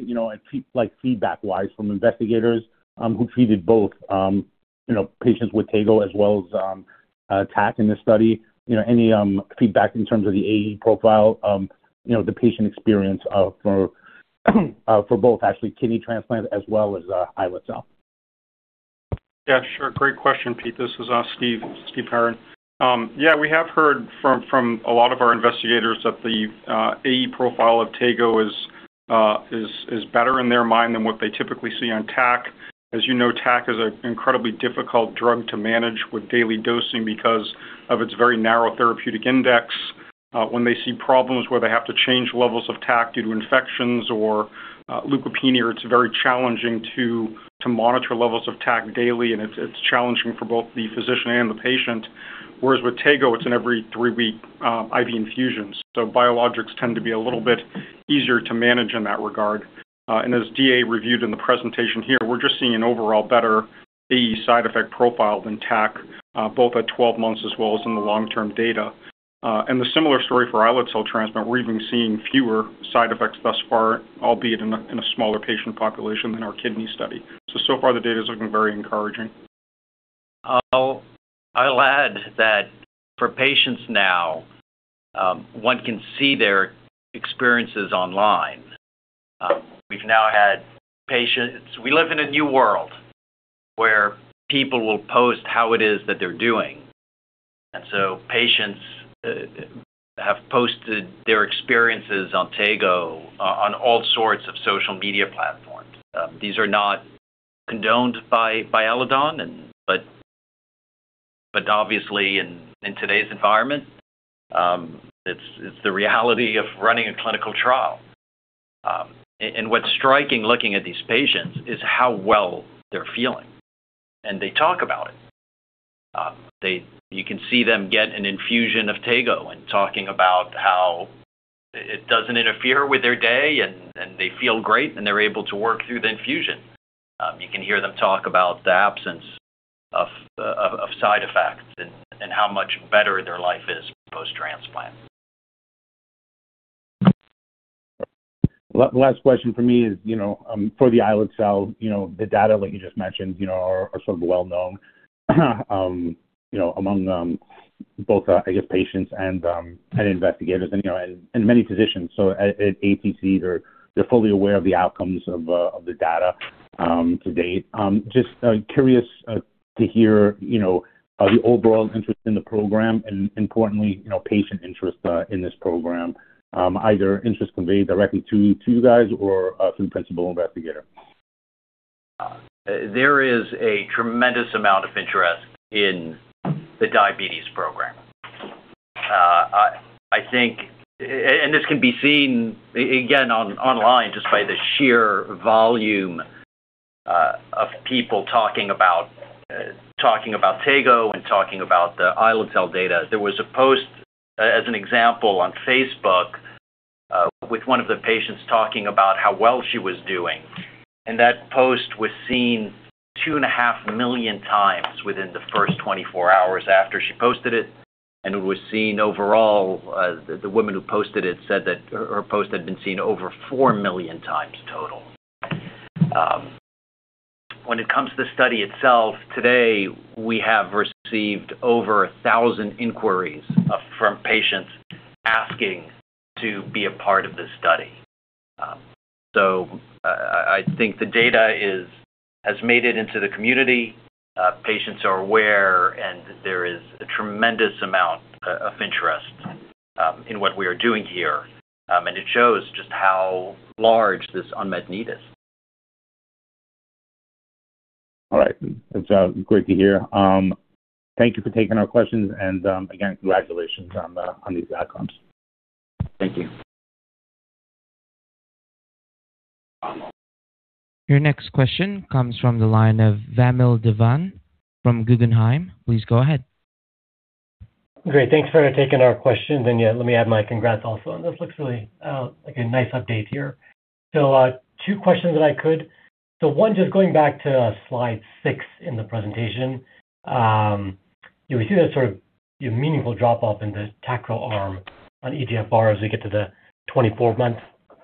like feedback-wise from investigators who treated both patients with TEGO as well as TAC in this study, any feedback in terms of the AE profile, the patient experience for both actually, kidney transplant as well as islet cell? Yeah, sure. Great question, Pete. This is Steven Perrin. Yeah, we have heard from a lot of our investigators that the AE profile of TEGO is better in their mind than what they typically see on TAC. As you know, TAC is an incredibly difficult drug to manage with daily dosing because of its very narrow therapeutic index. When they see problems where they have to change levels of TAC due to infections or leukopenia, it's very challenging to monitor levels of TAC daily, and it's challenging for both the physician and the patient. Whereas with TEGO, it's in every three-week IV infusions. Biologics tend to be a little bit easier to manage in that regard. As DA reviewed in the presentation here, we're just seeing an overall better AE side effect profile than TAC, both at 12 months as well as in the long-term data. The similar story for islet cell transplant, we're even seeing fewer side effects thus far, albeit in a smaller patient population than our kidney study. So far the data's looking very encouraging. I'll add that for patients now, one can see their experiences online. We've now had patients. We live in a new world where people will post how it is that they're doing. Patients have posted their experiences on TEGO on all sorts of social media platforms. These are not condoned by Eledon, but obviously in today's environment, it's the reality of running a clinical trial. What's striking looking at these patients is how well they're feeling, and they talk about it. You can see them get an infusion of TEGO and talking about how it doesn't interfere with their day, and they feel great, and they're able to work through the infusion. You can hear them talk about the absence of side effects and how much better their life is post-transplant. Last question from me is for the islet cell, the data that you just mentioned are sort of well-known among both, I guess, patients and investigators and many physicians. At ATC, they're fully aware of the outcomes of the data to date. Just curious to hear the overall interest in the program and importantly patient interest in this program, either interest conveyed directly to you guys or through the principal investigator. There is a tremendous amount of interest in the diabetes program. This can be seen again online just by the sheer volume of people talking about TEGO and talking about the islet cell data. There was a post, as an example, on Facebook, with one of the patients talking about how well she was doing, and that post was seen 2.5 million times within the first 24 hours after she posted it. It was seen overall, the woman who posted it said that her post had been seen over 4 million times total. When it comes to the study itself, to date, we have received over 1,000 inquiries from patients asking to be a part of the study. I think the data has made it into the community. Patients are aware, and there is a tremendous amount of interest in what we are doing here. It shows just how large this unmet need is. All right. That's great to hear. Thank you for taking our questions, and again, congratulations on these outcomes. Thank you. Your next question comes from the line of Vamil Divan from Guggenheim. Please go ahead. Great. Thanks for taking our question. Yeah, let me add my congrats also. This looks really like a nice update here. Two questions if I could. One, just going back to slide six in the presentation. You see that sort of meaningful drop-off in the tacrolimus arm on eGFR as we get to the 24-month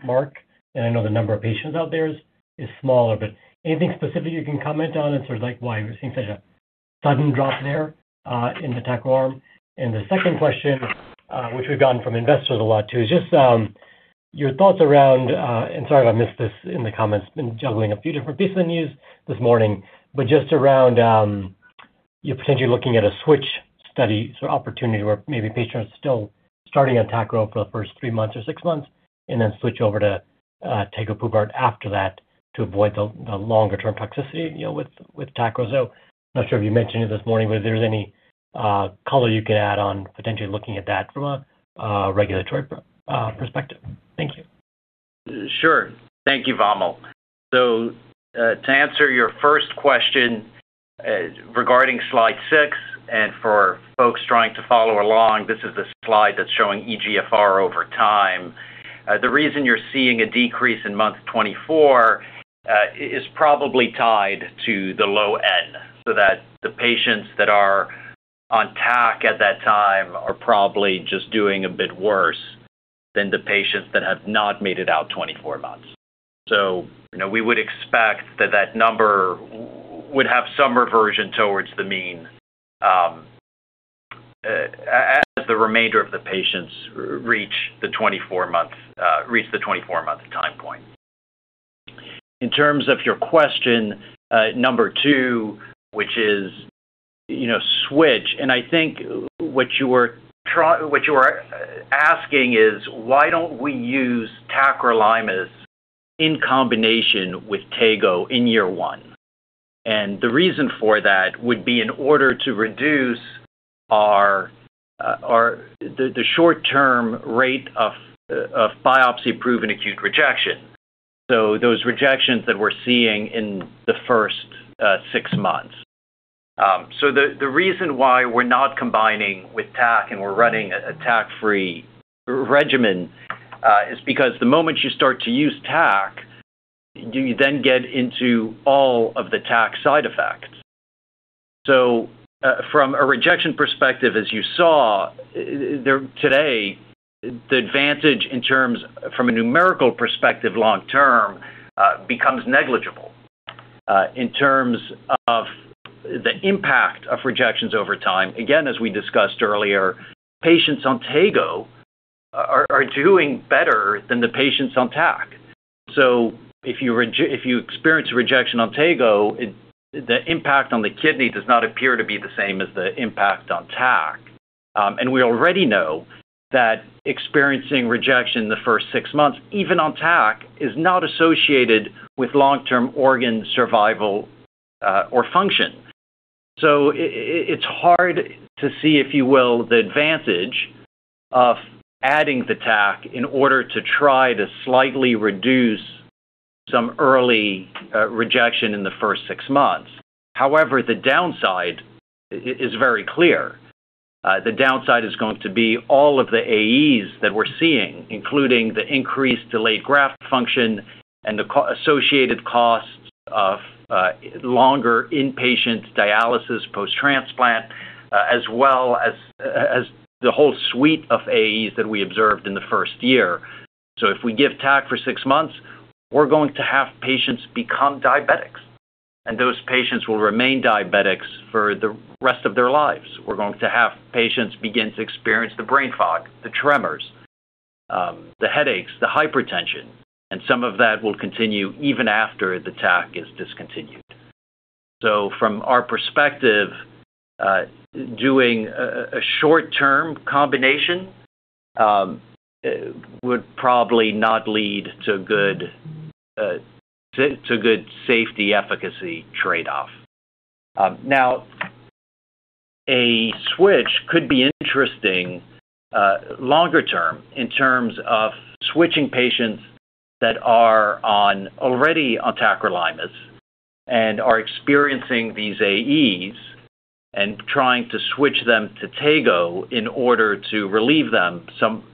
mark. I know the number of patients out there is smaller, but anything specific you can comment on in terms like why we're seeing such a sudden drop there in the tacrolimus arm? The second question, which we've gotten from investors a lot too, is just your thoughts around. Sorry if I missed this in the comments, been juggling a few different piece of news this morning, but just around you're potentially looking at a switch study. Opportunity where maybe patients still starting on tacrolimus for the first three months or six months and then switch over to TEGO after that to avoid the longer-term toxicity with tacrolimus. Not sure if you mentioned it this morning, but if there's any color you could add on potentially looking at that from a regulatory perspective. Thank you. Sure. Thank you, Vamil. To answer your first question regarding slide six, and for folks trying to follow along, this is the slide that's showing eGFR over time. The reason you're seeing a decrease in month 24, is probably tied to the low N, so that the patients that are on TAC at that time are probably just doing a bit worse than the patients that have not made it out 24 months. We would expect that that number would have some reversion towards the mean as the remainder of the patients reach the 24-month time point. In terms of your question number two, which is switch, and I think what you are asking is why don't we use tacrolimus in combination with TEGO in year one. The reason for that would be in order to reduce the short-term rate of biopsy-proven acute rejection. Those rejections that we're seeing in the first six months. The reason why we're not combining with TAC and we're running a TAC-free regimen, is because the moment you start to use TAC, you then get into all of the TAC side effects. From a rejection perspective, as you saw, today, the advantage from a numerical perspective long term, becomes negligible. In terms of the impact of rejections over time, again, as we discussed earlier, patients on TEGO are doing better than the patients on TAC. If you experience a rejection on TEGO, the impact on the kidney does not appear to be the same as the impact on TAC. We already know that experiencing rejection in the first six months, even on TAC, is not associated with long-term organ survival or function. It's hard to see, if you will, the advantage of adding the TAC in order to try to slightly reduce some early rejection in the first six months. However, the downside is very clear. The downside is going to be all of the AEs that we're seeing, including the increased delayed graft function and the associated costs of longer inpatient dialysis post-transplant, as well as the whole suite of AEs that we observed in the first year. If we give TAC for six months, we're going to have patients become diabetics, and those patients will remain diabetics for the rest of their lives. We're going to have patients begin to experience the brain fog, the tremors, the headaches, the hypertension, and some of that will continue even after the TAC is discontinued. From our perspective, doing a short-term combination would probably not lead to good safety efficacy trade-off. Now, a switch could be interesting longer term in terms of switching patients that are already on tacrolimus and are experiencing these AEs and trying to switch them to TEGO in order to relieve them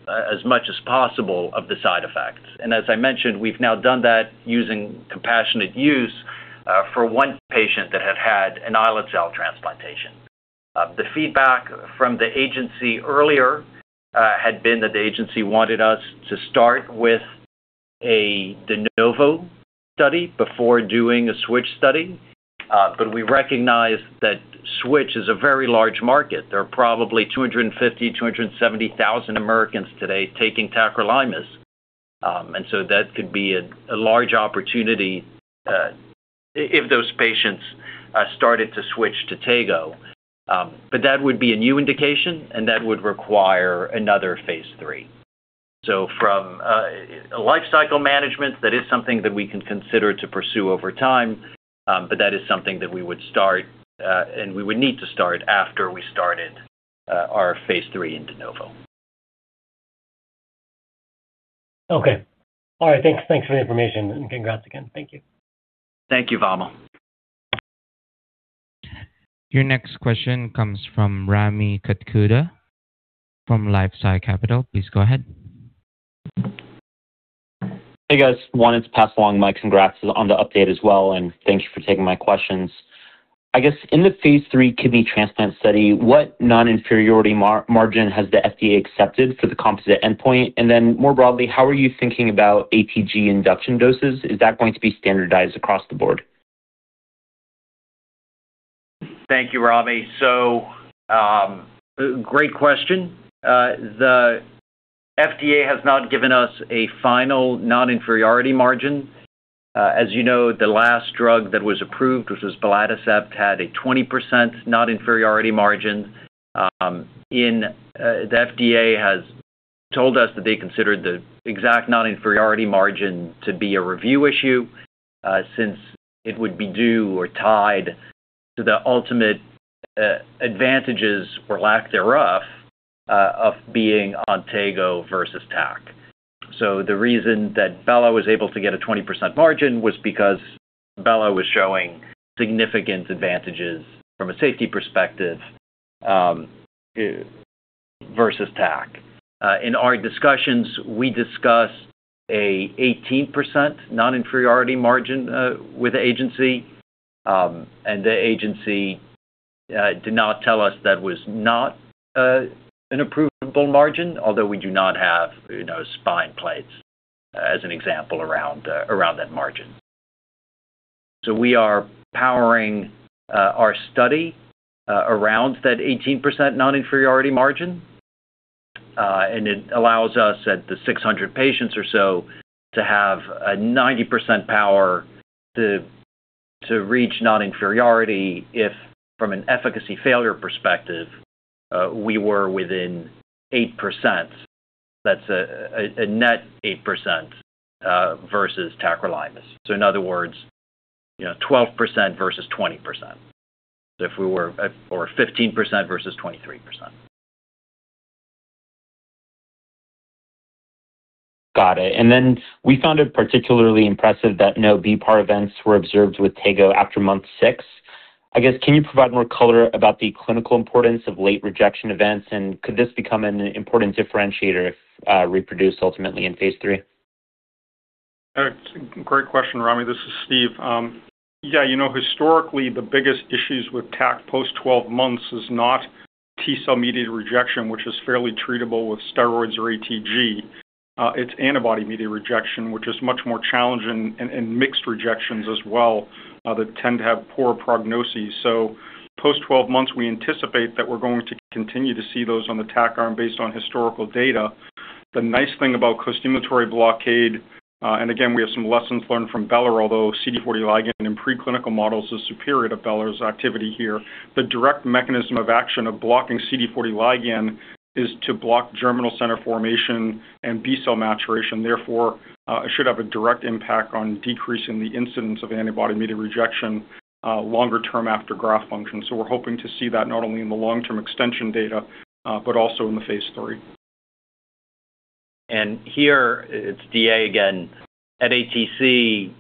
as much as possible of the side effects. As I mentioned, we've now done that using compassionate use for one patient that had had an islet cell transplantation. The feedback from the agency earlier had been that the agency wanted us to start with a de novo study before doing a switch study. We recognize that switch is a very large market. There are probably 250,000-270,000 Americans today taking tacrolimus. That could be a large opportunity if those patients started to switch to TEGO. That would be a new indication, and that would require another phase III. From a life cycle management, that is something that we can consider to pursue over time, but that is something that we would start, and we would need to start after we started our phase III in de novo. Okay. All right. Thanks for the information, and congrats again. Thank you. Thank you, Vamil. Your next question comes from Rami Katkhuda from LifeSci Capital. Please go ahead. Hey, guys. Wanted to pass along my congrats on the update as well. Thank you for taking my questions. I guess in the phase III kidney transplant study, what non-inferiority margin has the FDA accepted for the composite endpoint? Then more broadly, how are you thinking about ATG induction doses? Is that going to be standardized across the board? Thank you, Rami. Great question. The FDA has not given us a final non-inferiority margin. As you know, the last drug that was approved, which was belatacept, had a 20% non-inferiority margin. The FDA has told us that they considered the exact non-inferiority margin to be a review issue since it would be due or tied to the ultimate advantages, or lack thereof, of being on TEGO versus TAC. The reason that Bela was able to get a 20% margin was because Bela was showing significant advantages from a safety perspective versus TAC. In our discussions, we discussed an 18% non-inferiority margin with the agency, and the agency did not tell us that was not an approvable margin, although we do not have spine plates as an example around that margin. We are powering our study around that 18% non-inferiority margin, and it allows us at the 600 patients or so to have a 90% power to reach non-inferiority if, from an efficacy failure perspective, we were within 8%. That's a net 8% versus tacrolimus. In other words, 12% versus 20%. 15% versus 23%. Got it. We found it particularly impressive that no bPAR events were observed with TEGO after month six. I guess, can you provide more color about the clinical importance of late rejection events, and could this become an important differentiator if reproduced ultimately in phase III? Great question, Rami. This is Steve. Historically, the biggest issues with TAC post 12 months is not T-cell-mediated rejection, which is fairly treatable with steroids or ATG. It's antibody-mediated rejection, which is much more challenging, and mixed rejections as well, that tend to have poor prognoses. Post 12 months, we anticipate that we're going to continue to see those on the TAC arm based on historical data. The nice thing about costimulatory blockade, and again, we have some lessons learned from belatacept, although CD40 ligand in preclinical models is superior to belatacept's activity here. The direct mechanism of action of blocking CD40 ligand is to block germinal center formation and B cell maturation, therefore, it should have a direct impact on decreasing the incidence of antibody-mediated rejection longer term after graft function. We're hoping to see that not only in the long-term extension data, but also in the phase III. Here it's DA again. At ATC,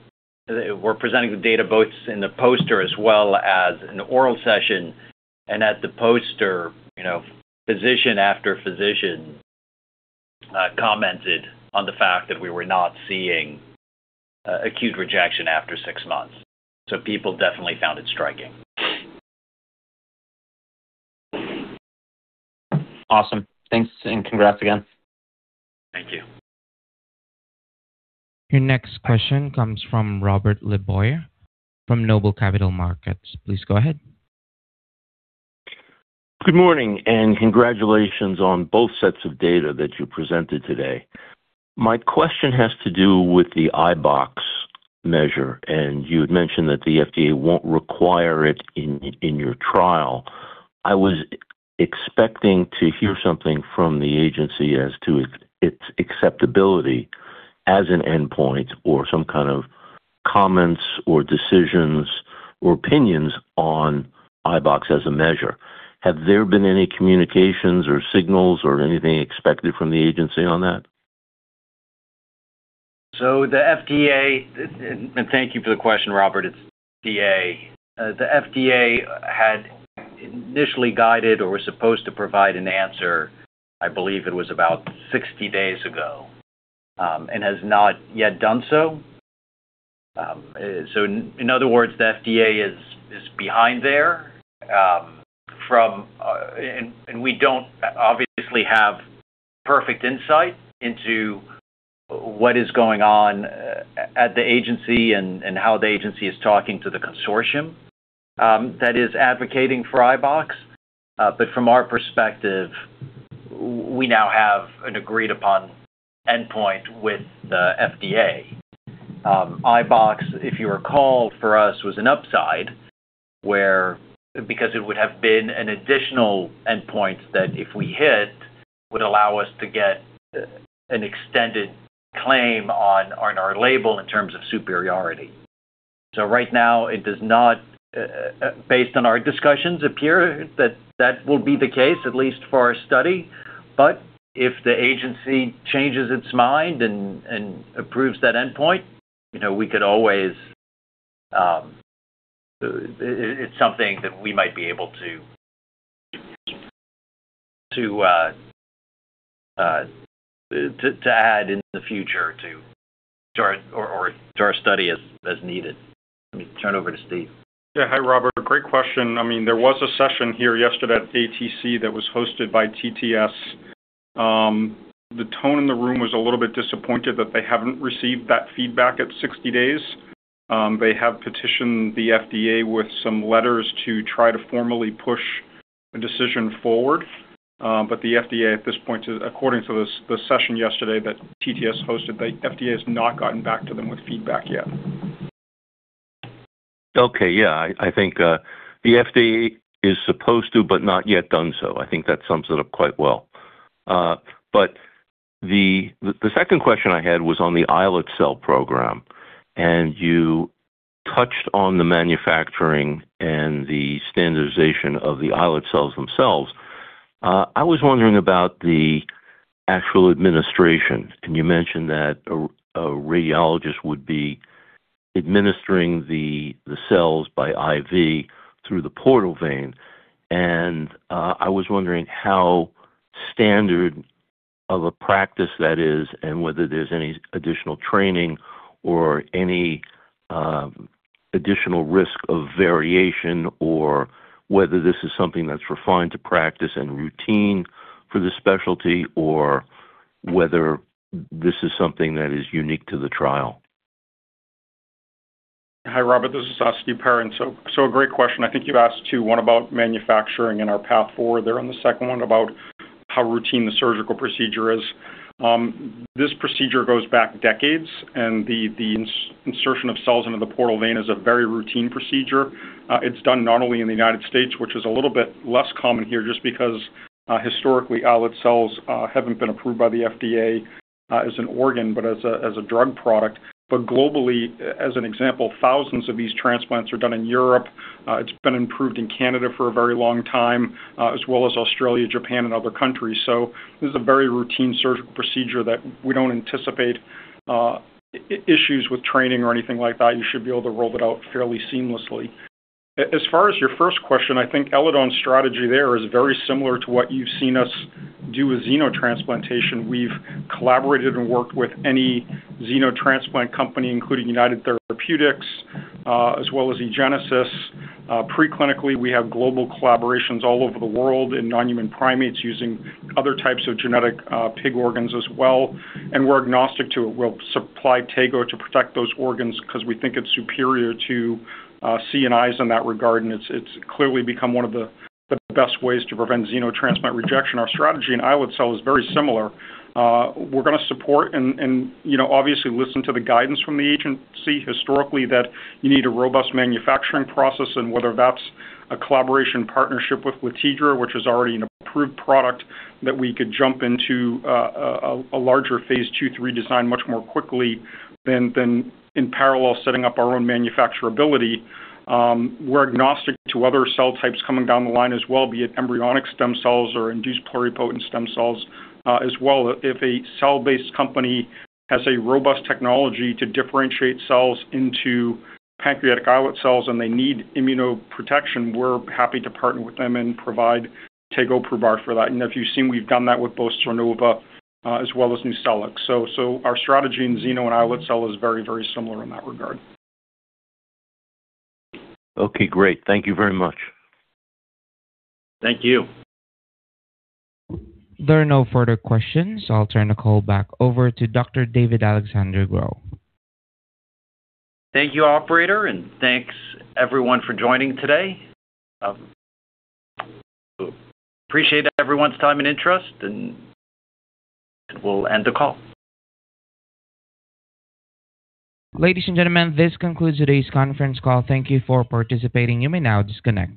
we're presenting the data both in the poster as well as in the oral session. At the poster, physician after physician commented on the fact that we were not seeing acute rejection after six months. People definitely found it striking. Awesome. Thanks, and congrats again. Thank you. Your next question comes from Robert LeBoyer from Noble Capital Markets. Please go ahead. Good morning. Congratulations on both sets of data that you presented today. My question has to do with the iBox measure. You had mentioned that the FDA won't require it in your trial. I was expecting to hear something from the agency as to its acceptability as an endpoint or some kind of comments or decisions or opinions on iBox as a measure. Have there been any communications or signals or anything expected from the agency on that? Thank you for the question, Robert. It's DA. The FDA had initially guided or was supposed to provide an answer, I believe it was about 60 days ago, has not yet done so. In other words, the FDA is behind there. We don't obviously have perfect insight into what is going on at the agency and how the agency is talking to the consortium that is advocating for iBox. From our perspective, we now have an agreed-upon endpoint with the FDA. iBox, if you recall, for us was an upside because it would have been an additional endpoint that if we hit, would allow us to get an extended claim on our label in terms of superiority. Right now it does not, based on our discussions, appear that will be the case, at least for our study. If the agency changes its mind and approves that endpoint, it's something that we might be able to add in the future to our study as needed. Let me turn over to Steve. Yeah. Hi, Robert. Great question. There was a session here yesterday at ATC that was hosted by TTS. The tone in the room was a little bit disappointed that they haven't received that feedback at 60 days. They have petitioned the FDA with some letters to try to formally push a decision forward. The FDA at this point, according to the session yesterday that TTS hosted, the FDA has not gotten back to them with feedback yet. Okay. Yeah. I think the FDA is supposed to, but not yet done so. I think that sums it up quite well. The second question I had was on the islet cell program, and you touched on the manufacturing and the standardization of the islet cells themselves. I was wondering about the actual administration, and you mentioned that a radiologist would be administering the cells by IV through the portal vein. I was wondering how standard of a practice that is and whether there's any additional training or any additional risk of variation or whether this is something that's refined to practice and routine for this specialty or whether this is something that is unique to the trial. Hi, Robert. This is Steven Perrin. A great question. I think you asked two. One about manufacturing and our path forward there, and the second one about how routine the surgical procedure is. This procedure goes back decades, and the insertion of cells into the portal vein is a very routine procedure. It's done not only in the U.S., which is a little bit less common here, just because historically islet cells haven't been approved by the FDA as an organ, but as a drug product. Globally, as an example, thousands of these transplants are done in Europe. It's been approved in Canada for a very long time, as well as Australia, Japan, and other countries. This is a very routine surgical procedure that we don't anticipate issues with training or anything like that. You should be able to roll it out fairly seamlessly. As far as your first question, I think Eledon's strategy there is very similar to what you've seen us do with xenotransplantation. We've collaborated and worked with any xenotransplant company, including United Therapeutics, as well as eGenesis. Preclinically, we have global collaborations all over the world in non-human primates using other types of genetic pig organs as well. We're agnostic to it. We'll supply TEGO to protect those organs because we think it's superior to CNI in that regard, and it's clearly become one of the best ways to prevent xenotransplant rejection. Our strategy in islet cell is very similar. We're going to support and obviously listen to the guidance from the agency historically that you need a robust manufacturing process and whether that's a collaboration partnership with Lantidra, which is already an approved product that we could jump into a larger phase II, III design much more quickly than in parallel setting up our own manufacturability. We're agnostic to other cell types coming down the line as well, be it embryonic stem cells or induced pluripotent stem cells as well. If a cell-based company has a robust technology to differentiate cells into pancreatic islet cells and they need immunoprotection, we're happy to partner with them and provide tegoprubart for that. If you've seen, we've done that with both Sernova, as well as Nucleix. Our strategy in xeno and islet cell is very, very similar in that regard. Okay, great. Thank you very much. Thank you. There are no further questions. I'll turn the call back over to Dr. David-Alexandre Gros. Thank you, operator. Thanks everyone for joining today. Appreciate everyone's time and interest, and we'll end the call. Ladies and gentlemen, this concludes today's conference call. Thank you for participating. You may now disconnect.